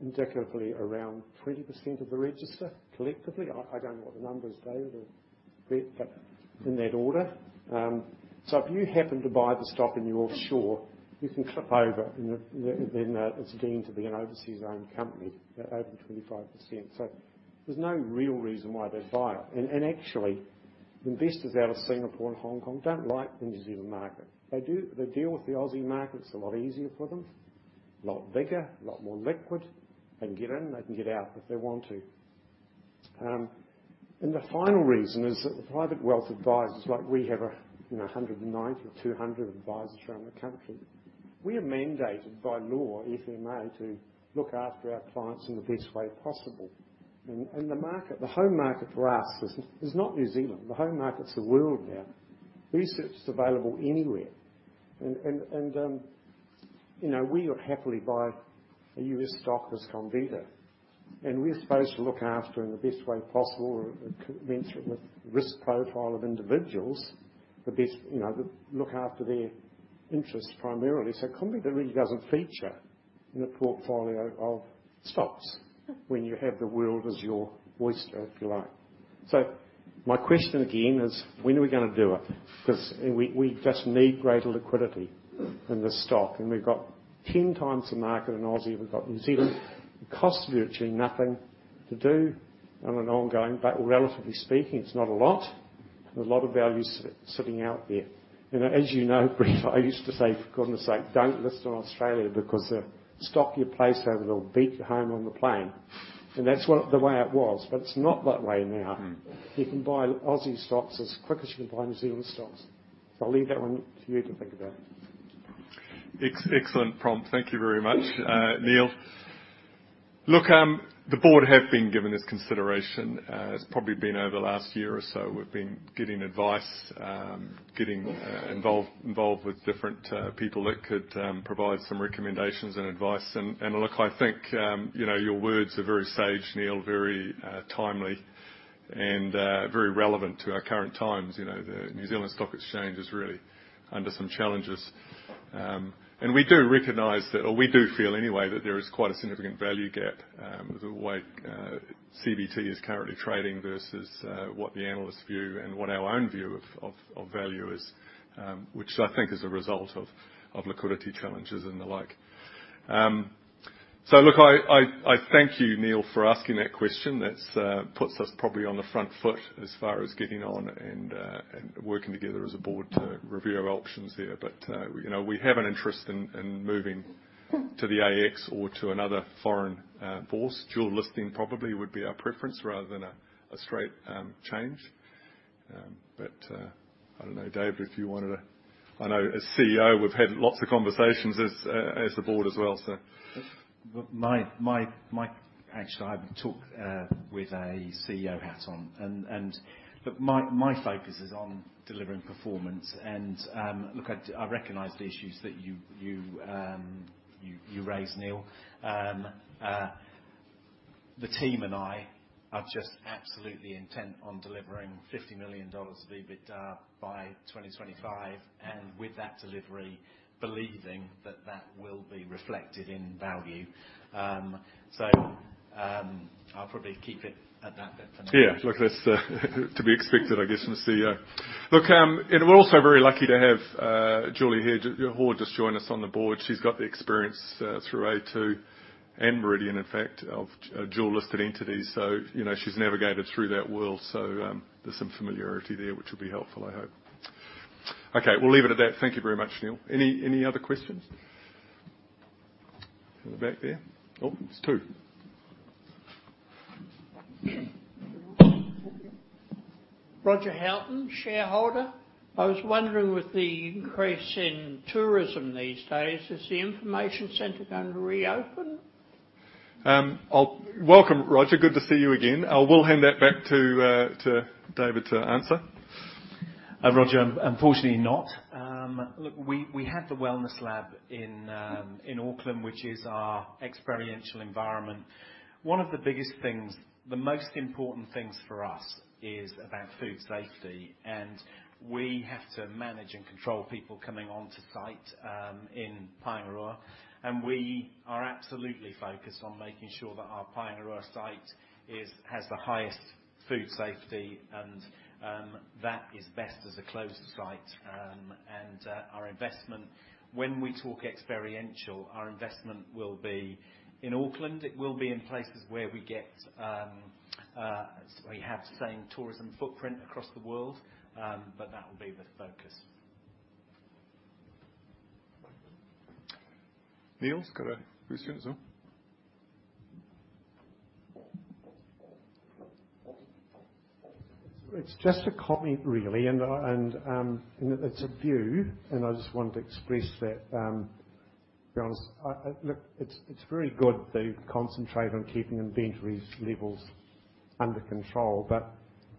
indicatively around 20% of the register, collectively. I don't know what the number is, Dave, but in that order. So if you happen to buy the stock, and you're offshore, you can tip over, and then it's deemed to be an overseas-owned company, over 25%. So there's no real reason why they'd buy it. And actually, investors out of Singapore and Hong Kong don't like the New Zealand market. They deal with the Aussie market, it's a lot easier for them, a lot bigger, a lot more liquid. They can get in, they can get out if they want to. The final reason is that the private wealth advisors, like we have, you know, 100 or 200 advisors around the country. We are mandated by law, FMA, to look after our clients in the best way possible. The market, the home market for us is, is not New Zealand. The home market's the world now. Research is available anywhere. You know, we would happily buy a U.S, stock as Comvita, and we're supposed to look after in the best way possible, consistent with risk profile of individuals, the best, you know, look after their interests primarily. So Comvita really doesn't feature in a portfolio of stocks when you have the world as your oyster, if you like. So my question again is: when are we gonna do it? 'Cause we just need greater liquidity in this stock, and we've got 10 times the market in Aussie, we've got New Zealand. It costs virtually nothing to do on an ongoing, but relatively speaking, it's not a lot. There's a lot of value sitting out there. And as you know, Brit, I used to say, for goodness sake, "Don't list on Australia, because the stock you place over there will beat you home on the plane." And that's what, the way it was, but it's not that way now. Mm-hmm. You can buy Aussie stocks as quick as you can buy New Zealand stocks. I'll leave that one for you to think about. Excellent prompt. Thank you very much, Neil. Look, the board have been given this consideration. It's probably been over the last year or so. We've been getting advice, getting involved with different people that could provide some recommendations and advice. And look, I think, you know, your words are very sage, Neil, very timely and very relevant to our current times. You know, the New Zealand Stock Exchange is really under some challenges. And we do recognize that, or we do feel anyway, that there is quite a significant value gap, the way CVT is currently trading versus what the analysts view and what our own view of value is. Which I think is a result of liquidity challenges and the like. So look, I thank you, Neil, for asking that question. That's puts us probably on the front foot as far as getting on and working together as a board to review our options there. But you know, we have an interest in moving to the ASX or to another foreign bourse. Dual listing probably would be our preference, rather than a straight change. But I don't know, Dave, if you wanted to... I know as CEO, we've had lots of conversations as the board as well, so. Actually, I talk with a CEO hat on, but my focus is on delivering performance. Look, I recognize the issues that you raise, Neil. The team and I are just absolutely intent on delivering 50 million dollars of EBITDA by 2025, and with that delivery, believing that that will be reflected in value. I'll probably keep it at that for now. Yeah, look, that's to be expected, I guess, from the CEO. Look, and we're also very lucky to have Julia Hoare just join us on the board. She's got the experience through A2 and Meridian, in fact, of dual listed entities. So, you know, she's navigated through that world, so there's some familiarity there, which will be helpful, I hope. Okay, we'll leave it at that. Thank you very much, Neil. Any, any other questions? In the back there. Oh, there's two. Roger Houghton, shareholder. I was wondering, with the increase in tourism these days, is the information center going to reopen? Welcome, Roger. Good to see you again. I will hand that back to David to answer. Roger, unfortunately not. Look, we had the wellness lab in Auckland, which is our experiential environment. One of the biggest things, the most important things for us is about food safety, and we have to manage and control people coming onto site in Paengaroa, and we are absolutely focused on making sure that our Paengaroa site is, has the highest food safety, and that is best as a closed site. Our investment. When we talk experiential, our investment will be in Auckland. It will be in places where we get, we have the same tourism footprint across the world, but that will be the focus. Neil, got a question as well? It's just a comment, really, and it's a view, and I just wanted to express that, to be honest, Look, it's very good to concentrate on keeping inventory levels under control, but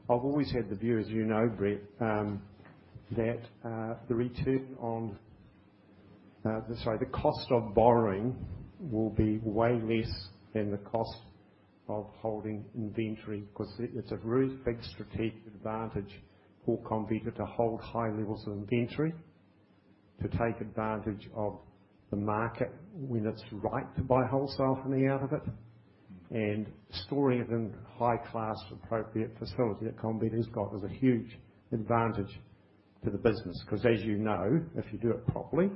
I've always had the view, as you know, Brett, that the cost of borrowing will be way less than the cost of holding inventory. 'Cause it's a really big strategic advantage for Comvita to hold high levels of inventory, to take advantage of the market when it's right to buy wholesale from the out of it, and storing it in high-class, appropriate facility that Comvita has got is a huge advantage to the business. 'Cause as you know, if you do it properly,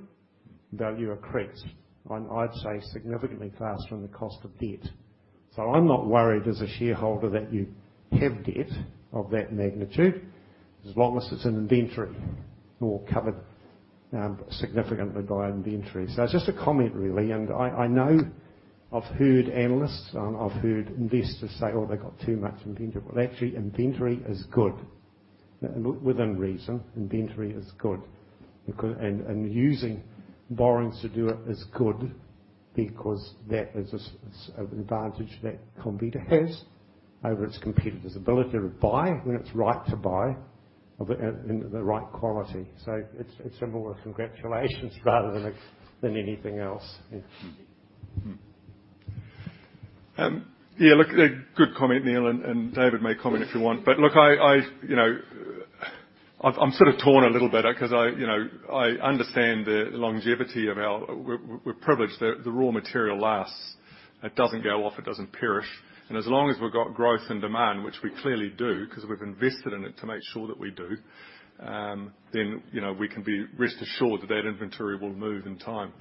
value accrues on, I'd say, significantly faster than the cost of debt. So I'm not worried as a shareholder that you have debt of that magnitude, as long as it's in inventory or covered significantly by inventory. So it's just a comment, really, and I know I've heard analysts and I've heard investors say, "Oh, they've got too much inventory." But actually, inventory is good. Within reason, inventory is good, and using borrowings to do it is good because that is an advantage that Comvita has over its competitors. The ability to buy when it's right to buy, and the right quality. So it's more a congratulations rather than anything else. Yeah. Yeah, look, a good comment, Neil, and David may comment if you want. But look, I, I've, you know, I'm sort of torn a little bit, 'cause I, you know, I understand the longevity of our... We're privileged that the raw material lasts. It doesn't go off, it doesn't perish. And as long as we've got growth and demand, which we clearly do, 'cause we've invested in it to make sure that we do, then, you know, we can be rest assured that that inventory will move in time.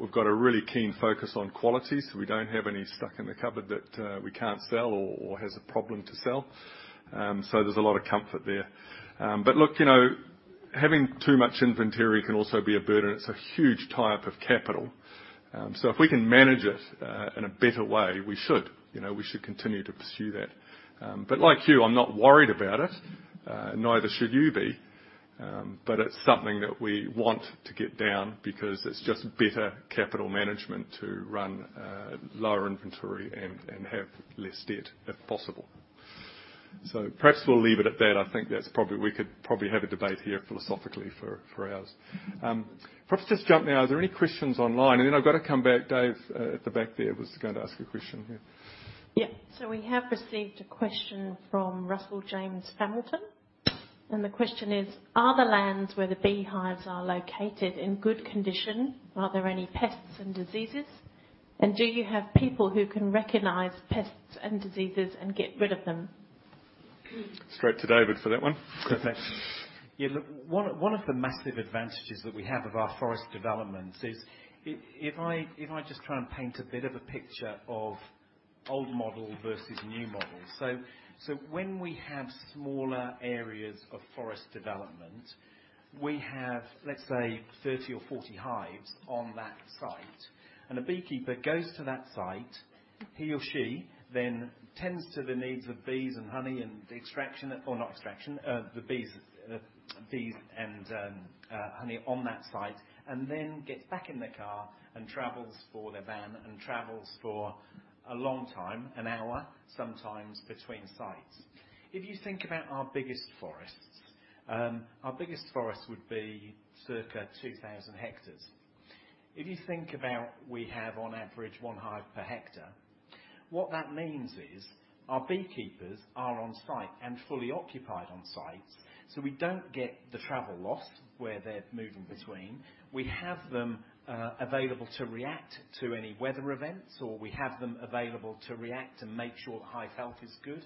We've got a really keen focus on quality, so we don't have any stuck in the cupboard that we can't sell or has a problem to sell. So there's a lot of comfort there. But look, you know, having too much inventory can also be a burden. It's a huge tie-up of capital. So if we can manage it, in a better way, we should. You know, we should continue to pursue that. But like you, I'm not worried about it, neither should you be. But it's something that we want to get down because it's just better capital management to run, lower inventory and, and have less debt, if possible. So perhaps we'll leave it at that. I think that's probably... We could probably have a debate here philosophically for, for hours. Perhaps just jump now, are there any questions online? And then I've got to come back. Dave, at the back there, was going to ask a question here. Yeah. So we have received a question from Russell James Hamilton, and the question is: "Are the lands where the beehives are located in good condition? Are there any pests and diseases? And do you have people who can recognize pests and diseases and get rid of them? Straight to David for that one. Perfect. Yeah, look, one of the massive advantages that we have of our forest developments is... if I just try and paint a bit of a picture of old model versus new model. So, when we have smaller areas of forest development, we have, let's say, 30 or 40 hives on that site, and a beekeeper goes to that site, he or she then tends to the needs of bees and honey and the extraction, or not extraction, the bees, bees and, honey on that site, and then gets back in their car and travels for their van, and travels for a long time, an hour, sometimes between sites. If you think about our biggest forests, our biggest forest would be circa 2,000 hectares. If you think about we have on average one hive per hectare, what that means is our beekeepers are on site and fully occupied on site, so we don't get the travel loss where they're moving between. We have them available to react to any weather events, or we have them available to react and make sure the hive health is good.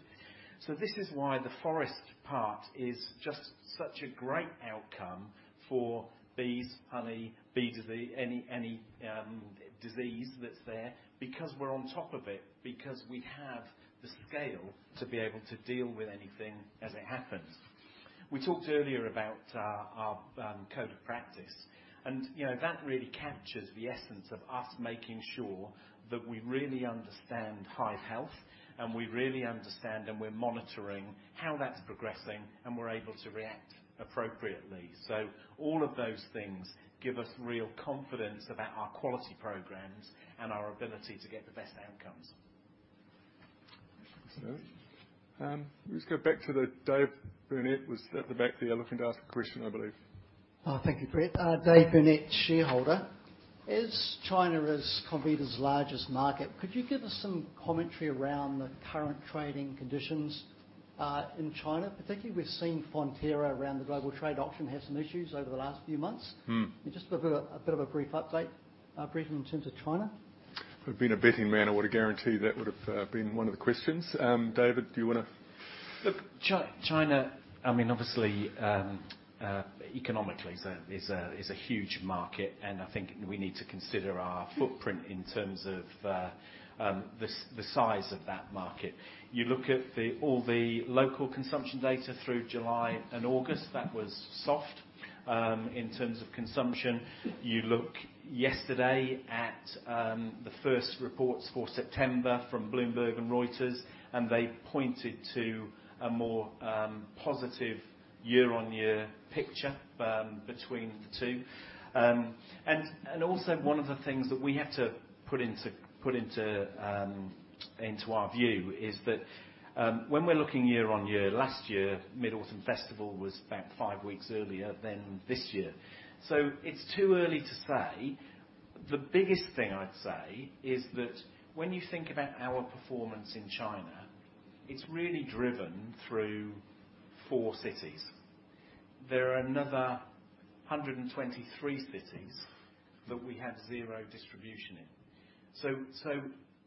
So this is why the forest part is just such a great outcome for bees, honey, bee disease, any disease that's there, because we're on top of it, because we have the scale to be able to deal with anything as it happens. We talked earlier about our code of practice, and, you know, that really captures the essence of us making sure that we really understand hive health, and we really understand, and we're monitoring how that's progressing, and we're able to react appropriately. So all of those things give us real confidence about our quality programs and our ability to get the best outcomes. Let's go back to the... Dave Burnett was at the back there, looking to ask a question, I believe. Thank you, Brett. Dave Burnett, shareholder. As China is Comvita's largest market, could you give us some commentary around the current trading conditions, in China? Particularly, we've seen Fonterra around the global trade option have some issues over the last few months. Hmm. Just a bit of, a bit of a brief update, Brett, in terms of China. If I've been a betting man, I would have guaranteed that would have been one of the questions. David, do you wanna? Look, China, I mean, obviously, economically is a huge market, and I think we need to consider our footprint in terms of the size of that market. You look at all the local consumption data through July and August, that was soft. In terms of consumption, you look yesterday at the first reports for September from Bloomberg and Reuters, and they pointed to a more positive year-on-year picture between the two. And also one of the things that we had to put into our view is that when we're looking year on year, last year, Mid-Autumn Festival was about five weeks earlier than this year, so it's too early to say. The biggest thing I'd say is that when you think about our performance in China, it's really driven through four cities. There are another 123 cities that we have zero distribution in. So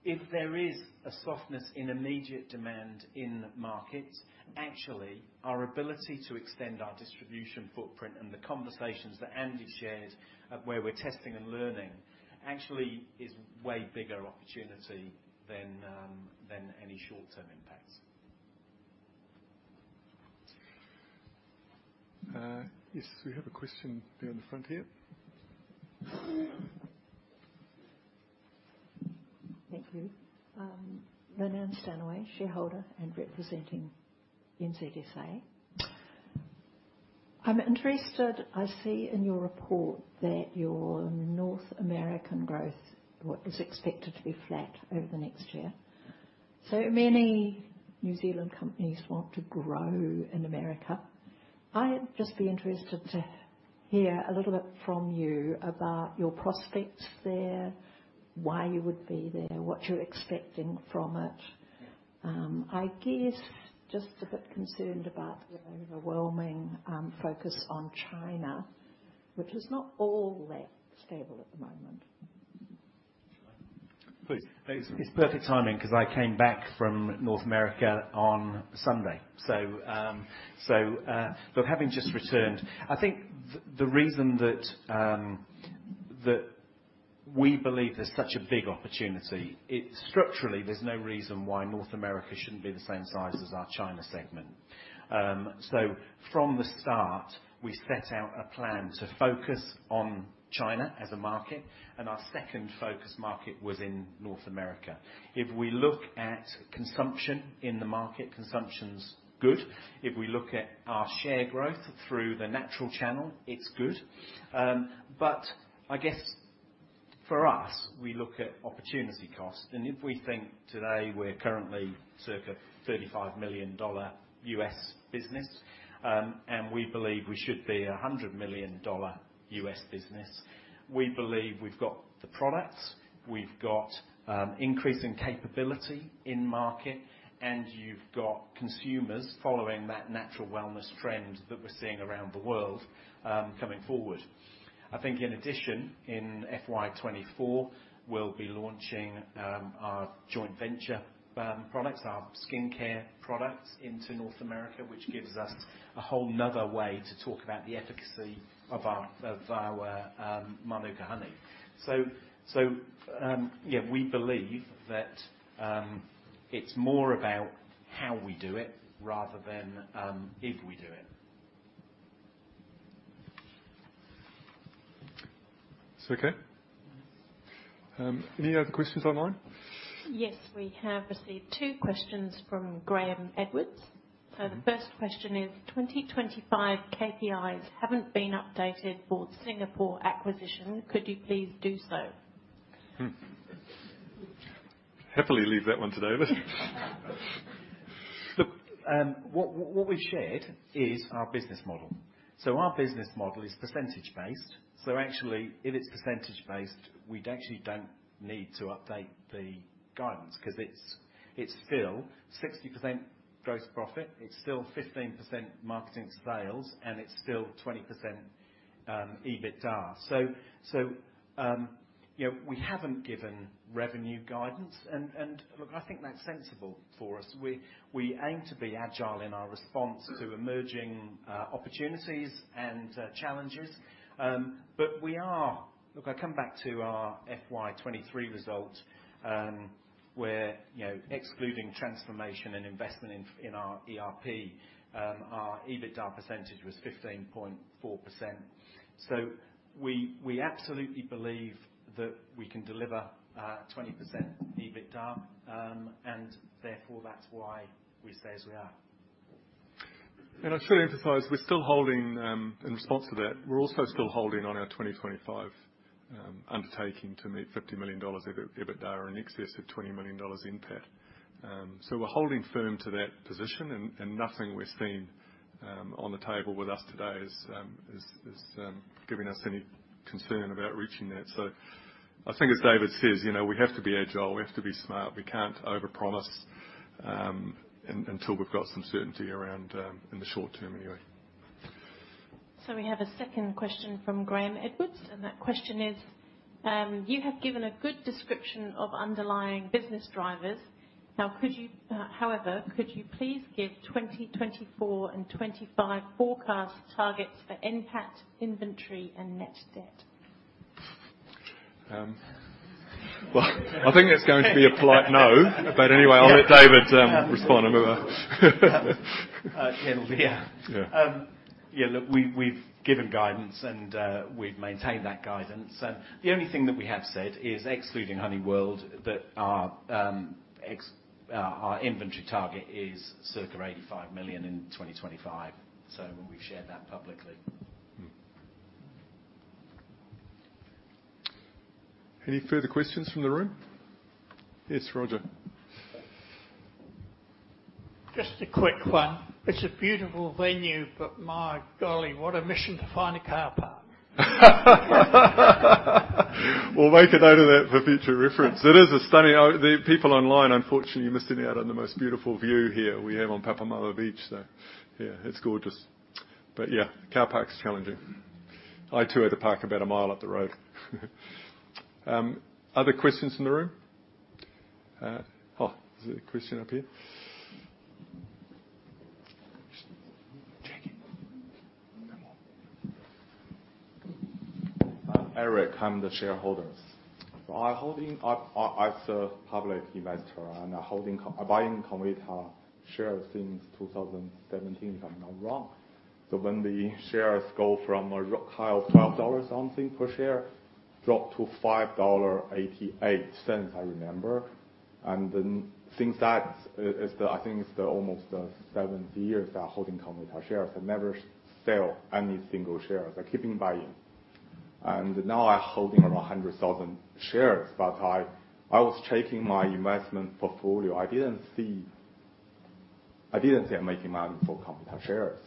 if there is a softness in immediate demand in markets, actually our ability to extend our distribution footprint and the conversations that Andy shared of where we're testing and learning, actually is way bigger opportunity than any short-term impacts. Yes, we have a question here in the front here. Thank you. Marianne Stanaway, shareholder and representing NZSA. I'm interested, I see in your report that your North American growth, what was expected to be flat over the next year. So many New Zealand companies want to grow in America. I'd just be interested to hear a little bit from you about your prospects there, why you would be there, what you're expecting from it. I guess just a bit concerned about the overwhelming focus on China, which is not all that stable at the moment. Please. It's, it's perfect timing because I came back from North America on Sunday. So, but having just returned, I think the, the reason that, that we believe there's such a big opportunity, it's structurally, there's no reason why North America shouldn't be the same size as our China segment. So from the start, we set out a plan to focus on China as a market, and our second focus market was in North America. If we look at consumption in the market, consumption's good. If we look at our share growth through the natural channel, it's good. But I guess for us, we look at opportunity cost, and if we think today we're currently circa $35 million U.S. business, and we believe we should be a $100 million U.S. business. We believe we've got the products, we've got increasing capability in market, and you've got consumers following that natural wellness trend that we're seeing around the world, coming forward. I think in addition, in FY 2024, we'll be launching our joint venture products, our skincare products into North America, which gives us a whole another way to talk about the efficacy of our Mānuka honey. So, yeah, we believe that it's more about how we do it rather than if we do it. It's okay? Yes. Any other questions online? Yes, we have received two questions from Graham Edwards. Mm-hmm. So the first question is, "2025 KPIs haven't been updated for Singapore acquisition. Could you please do so? Happily leave that one to David. Look, what we've shared is our business model. So our business model is percentage based, so actually if it's percentage based, we actually don't need to update the guidance because it's still 60% gross profit, it's still 15% marketing sales, and it's still 20%, EBITDA. So, you know, we haven't given revenue guidance, and look, I think that's sensible for us. We aim to be agile in our response to emerging opportunities and challenges. But we are... Look, I come back to our FY 2023 results, where, you know, excluding transformation and investment in our ERP, our EBITDA percentage was 15.4%. So we absolutely believe that we can deliver 20% EBITDA, and therefore that's why we stay as we are. I should emphasize, we're still holding, in response to that, we're also still holding on our 2025 undertaking to meet 50 million dollars of EBITDA in excess of 20 million dollars in PAT. So we're holding firm to that position, and nothing we're seeing on the table with us today is giving us any concern about reaching that. So I think as David says, you know, we have to be agile, we have to be smart. We can't overpromise until we've got some certainty around in the short term anyway. So we have a second question from Graham Edwards, and that question is, "You have given a good description of underlying business drivers. Now, could you however, could you please give 2024 and 2025 forecast targets for NPAT, inventory, and net debt? Well, I think that's going to be a polite no. But anyway, I'll let David respond. It'll be, yeah. Yeah. Yeah, look, we've given guidance, and we've maintained that guidance. The only thing that we have said is, excluding HoneyWorld, that our inventory target is circa 85 million in 2025. So we've shared that publicly. Mm. Any further questions from the room? Yes, Roger. Just a quick one. It's a beautiful venue, but my golly, what a mission to find a car park! We'll make a note of that for future reference. It is a stunning... Oh, the people online, unfortunately, you're missing out on the most beautiful view here we have on Papamoa Beach, so yeah, it's gorgeous. But yeah, car park's challenging. I, too, had to park about a mile up the road. Other questions from the room? Oh, there's a question up here. I'm Eric. I'm the shareholders. I'm holding up as a public investor, and holding, buying Comvita shares since 2017, if I'm not wrong. So when the shares go from a high of 12 dollars something per share, dropped to 5.88 dollars, I remember. And then since that is the, I think it's the almost seven years I holding Comvita shares. I never sell any single shares. I keeping buying. And now I holding around 100,000 shares, but I was checking my investment portfolio. I didn't see, I didn't see I'm making money for Comvita shares.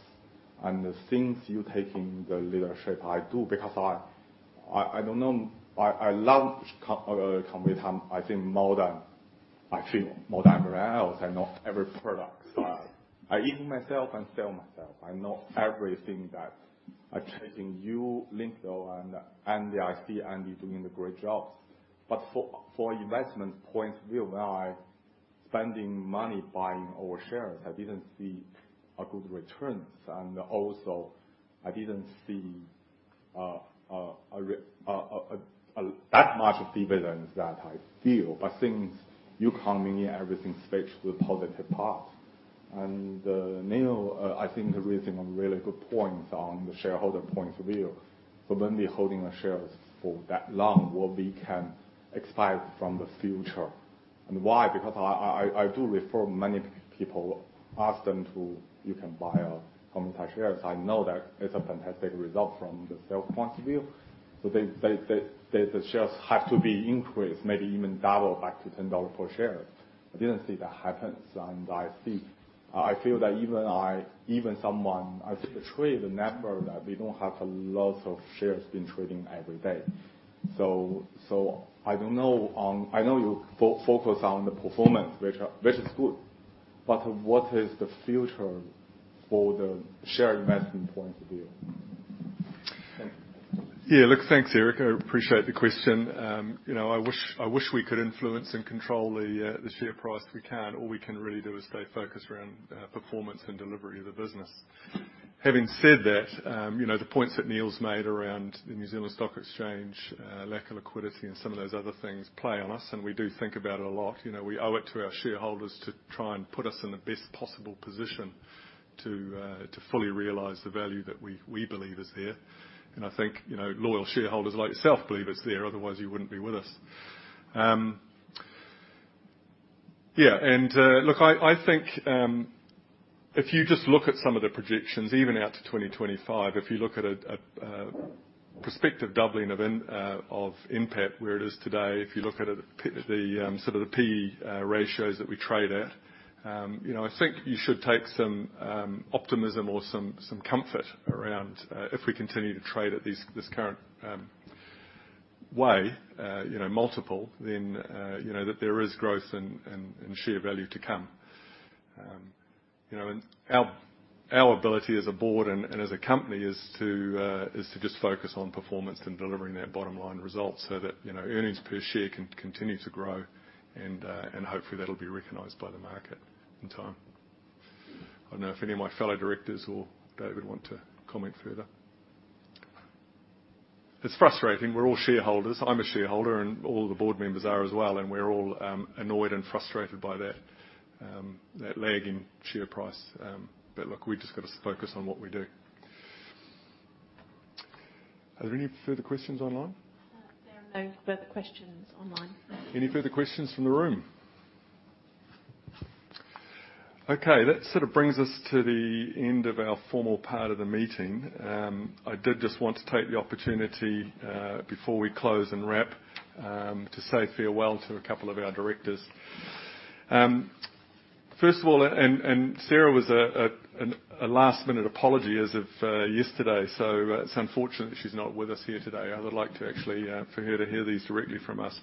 And since you taking the leadership, I do, because I don't know, I love Comvita, I think more than, I feel, more than anyone else. I know every product. So I eat it myself and sell myself. I know everything that I checking you, Linda, and I see Andy doing a great job. But for investment point of view, when I spending money buying our shares, I didn't see a good returns. And also, I didn't see a return, that much of dividends that I feel. But since you coming in, everything switched to a positive path. And, Neil, I think you're raising a really good points on the shareholder point of view. So when they're holding the shares for that long, what we can expect from the future, and why? Because I do refer many people, ask them to, "You can buy Comvita shares." I know that it's a fantastic result from the sales point of view. So they, the shares have to be increased, maybe even double back to 10 dollars per share. I didn't see that happens, and I see... I feel that even I, even someone, I think the trade, the network, that we don't have a lot of shares being trading every day. So I don't know on... I know you focus on the performance, which is good, but what is the future for the share investment point of view? Thank you. Yeah, look, thanks, Eric. I appreciate the question. You know, I wish, I wish we could influence and control the share price. We can't. All we can really do is stay focused around performance and delivery of the business. Having said that, you know, the points that Neil's made around the New Zealand Stock Exchange, lack of liquidity and some of those other things play on us, and we do think about it a lot. You know, we owe it to our shareholders to try and put us in the best possible position to fully realize the value that we believe is there. And I think, you know, loyal shareholders like yourself believe it's there, otherwise you wouldn't be with us. Yeah, and look, I think if you just look at some of the projections, even out to 2025, if you look at a prospective doubling of NPAT where it is today. If you look at it, the sort of the PE ratios that we trade at, you know, I think you should take some optimism or some comfort around if we continue to trade at this current PE multiple, then you know that there is growth and share value to come. You know, and our ability as a board and as a company is to just focus on performance and delivering that bottom line result so that, you know, earnings per share can continue to grow, and hopefully that'll be recognized by the market in time. I don't know if any of my fellow directors or David want to comment further. It's frustrating. We're all shareholders. I'm a shareholder, and all the board members are as well, and we're all annoyed and frustrated by that lag in share price. But look, we've just got to focus on what we do. Are there any further questions online? There are no further questions online. Any further questions from the room? Okay, that sort of brings us to the end of our formal part of the meeting. I did just want to take the opportunity, before we close and wrap, to say farewell to a couple of our directors. First of all, Sarah was a last-minute apology as of yesterday, so, it's unfortunate she's not with us here today. I would like to actually, for her to hear these directly from us.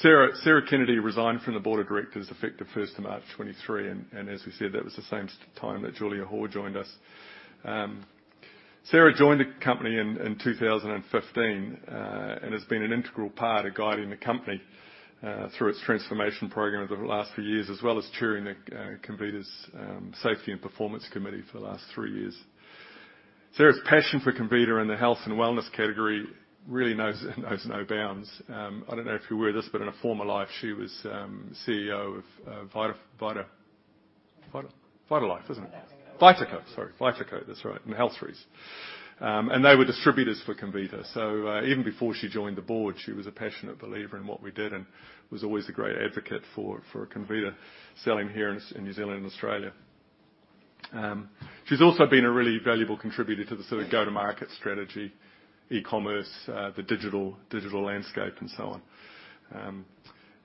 Sarah Kennedy resigned from the board of directors, effective first of March 2023, and as we said, that was the same time that Julia Hoare joined us. Sarah joined the company in 2015 and has been an integral part of guiding the company through its transformation program over the last few years, as well as chairing Comvita's Safety and Performance Committee for the last three years. Sarah's passion for Comvita and the health and wellness category really knows no bounds. I don't know if you were aware of this, but in a former life, she was CEO of Vitaco, isn't it? Vitaco. Vitaco, sorry. Vitaco, that's right, and Healtheries. And they were distributors for Comvita. So, even before she joined the board, she was a passionate believer in what we did and was always a great advocate for Comvita, selling here in New Zealand and Australia. She's also been a really valuable contributor to the sort of go-to-market strategy, e-commerce, the digital landscape, and so on.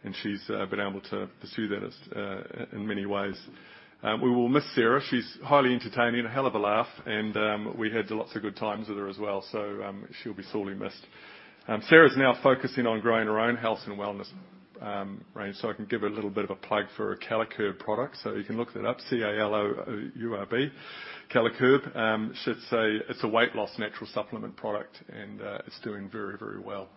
And she's been able to pursue that in many ways. We will miss Sarah. She's highly entertaining, a hell of a laugh, and we had lots of good times with her as well, so she'll be sorely missed. Sarah's now focusing on growing her own health and wellness range, so I can give her a little bit of a plug for her Calocurb product. So you can look that up, C-A-L-O-U-R-B, Calocurb. It's a weight loss natural supplement product, and it's doing very, very well.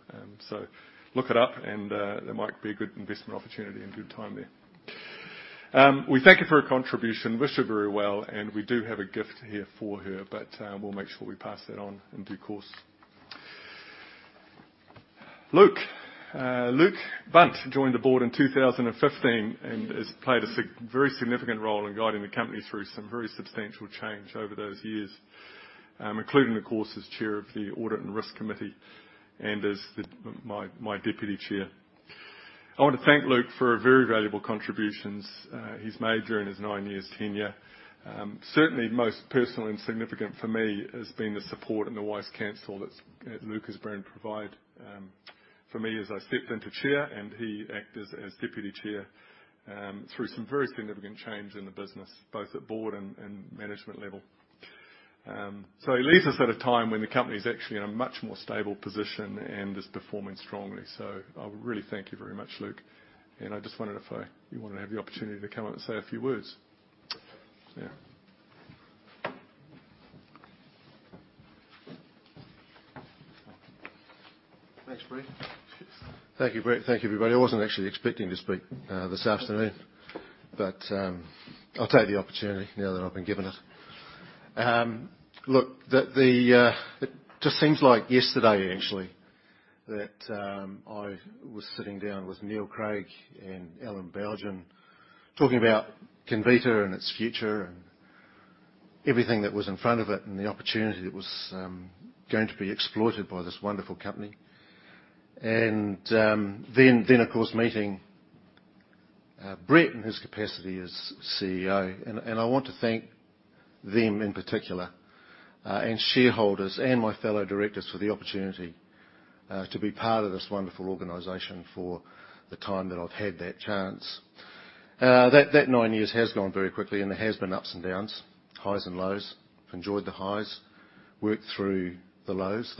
So look it up, and there might be a good investment opportunity and good time there. We thank her for her contribution, wish her very well, and we do have a gift here for her, but we'll make sure we pass that on in due course. Luke. Luke Bunt joined the board in 2015 and has played a very significant role in guiding the company through some very substantial change over those years, including, of course, as chair of the Audit and Risk Committee and as my deputy chair. I want to thank Luke for a very valuable contributions he's made during his nine-year tenure. Certainly, most personal and significant for me has been the support and the wise counsel that, Luke has been provide, for me as I stepped into chair, and he acted as deputy chair, through some very significant change in the business, both at board and, and management level. So he leaves us at a time when the company is actually in a much more stable position and is performing strongly. So I really thank you very much, Luke, and I just wondered if, you wanted to have the opportunity to come up and say a few words. Yeah. Thanks, Brett. Thank you, Brett. Thank you, everybody. I wasn't actually expecting to speak this afternoon, but I'll take the opportunity now that I've been given it. Look, the, it just seems like yesterday, actually, that I was sitting down with Neil Craig and Alan Bougen, talking about Comvita and its future and everything that was in front of it and the opportunity that was going to be exploited by this wonderful company. And then, of course, meeting Brett, in his capacity as CEO, and I want to thank them in particular, and shareholders, and my fellow directors for the opportunity to be part of this wonderful organization for the time that I've had that chance. That nine years has gone very quickly, and there has been ups and downs, highs and lows. Enjoyed the highs, worked through the lows.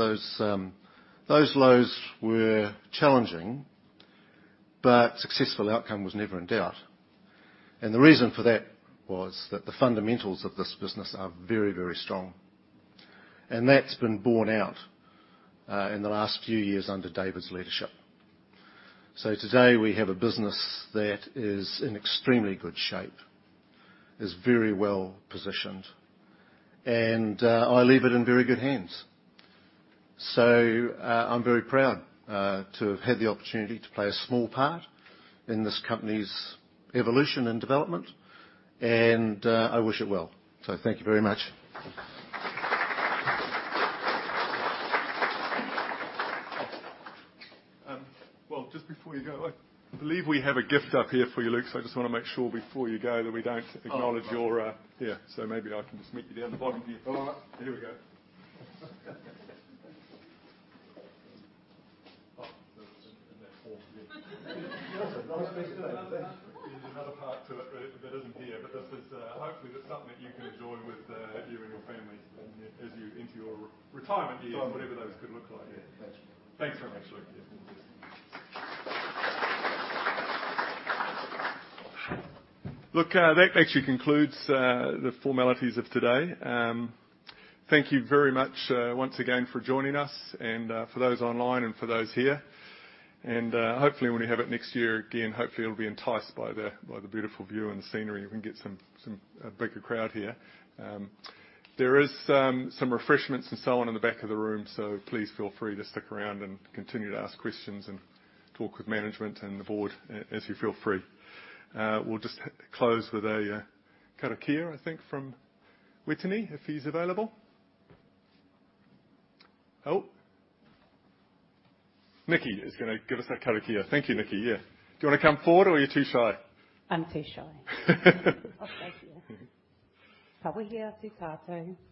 Those lows were challenging, but successful outcome was never in doubt. The reason for that was that the fundamentals of this business are very, very strong, and that's been borne out in the last few years under David's leadership. Today, we have a business that is in extremely good shape, is very well positioned, and I leave it in very good hands. I'm very proud to have had the opportunity to play a small part in this company's evolution and development, and I wish it well. Thank you very much. Well, just before you go, I believe we have a gift up here for you, Luke, so I just want to make sure before you go that we don't acknowledge your... Yeah, so maybe I can just meet you down the bottom here. All right. Here we go. Oh, in that form, yeah. Nice piece, too. There's another part to it that isn't here, but this is, hopefully, that's something that you can enjoy with you and your family as you enter your retirement years- Right. Whatever those could look like. Yeah. Thanks. Thanks very much, Luke. Look, that actually concludes the formalities of today. Thank you very much, once again for joining us, and for those online and for those here, and hopefully, when we have it next year again, hopefully you'll be enticed by the beautiful view and the scenery, and we can get a bigger crowd here. There is some refreshments and so on in the back of the room, so please feel free to stick around and continue to ask questions and talk with management and the board as you feel free. We'll just close with a karakia, I think, from Whitney, if he's available. Oh, Nikki is going to give us that karakia. Thank you, Nikki. Yeah. Do you want to come forward, or are you too shy? I'm too shy. I'll stay here. Ka wātea te tatau...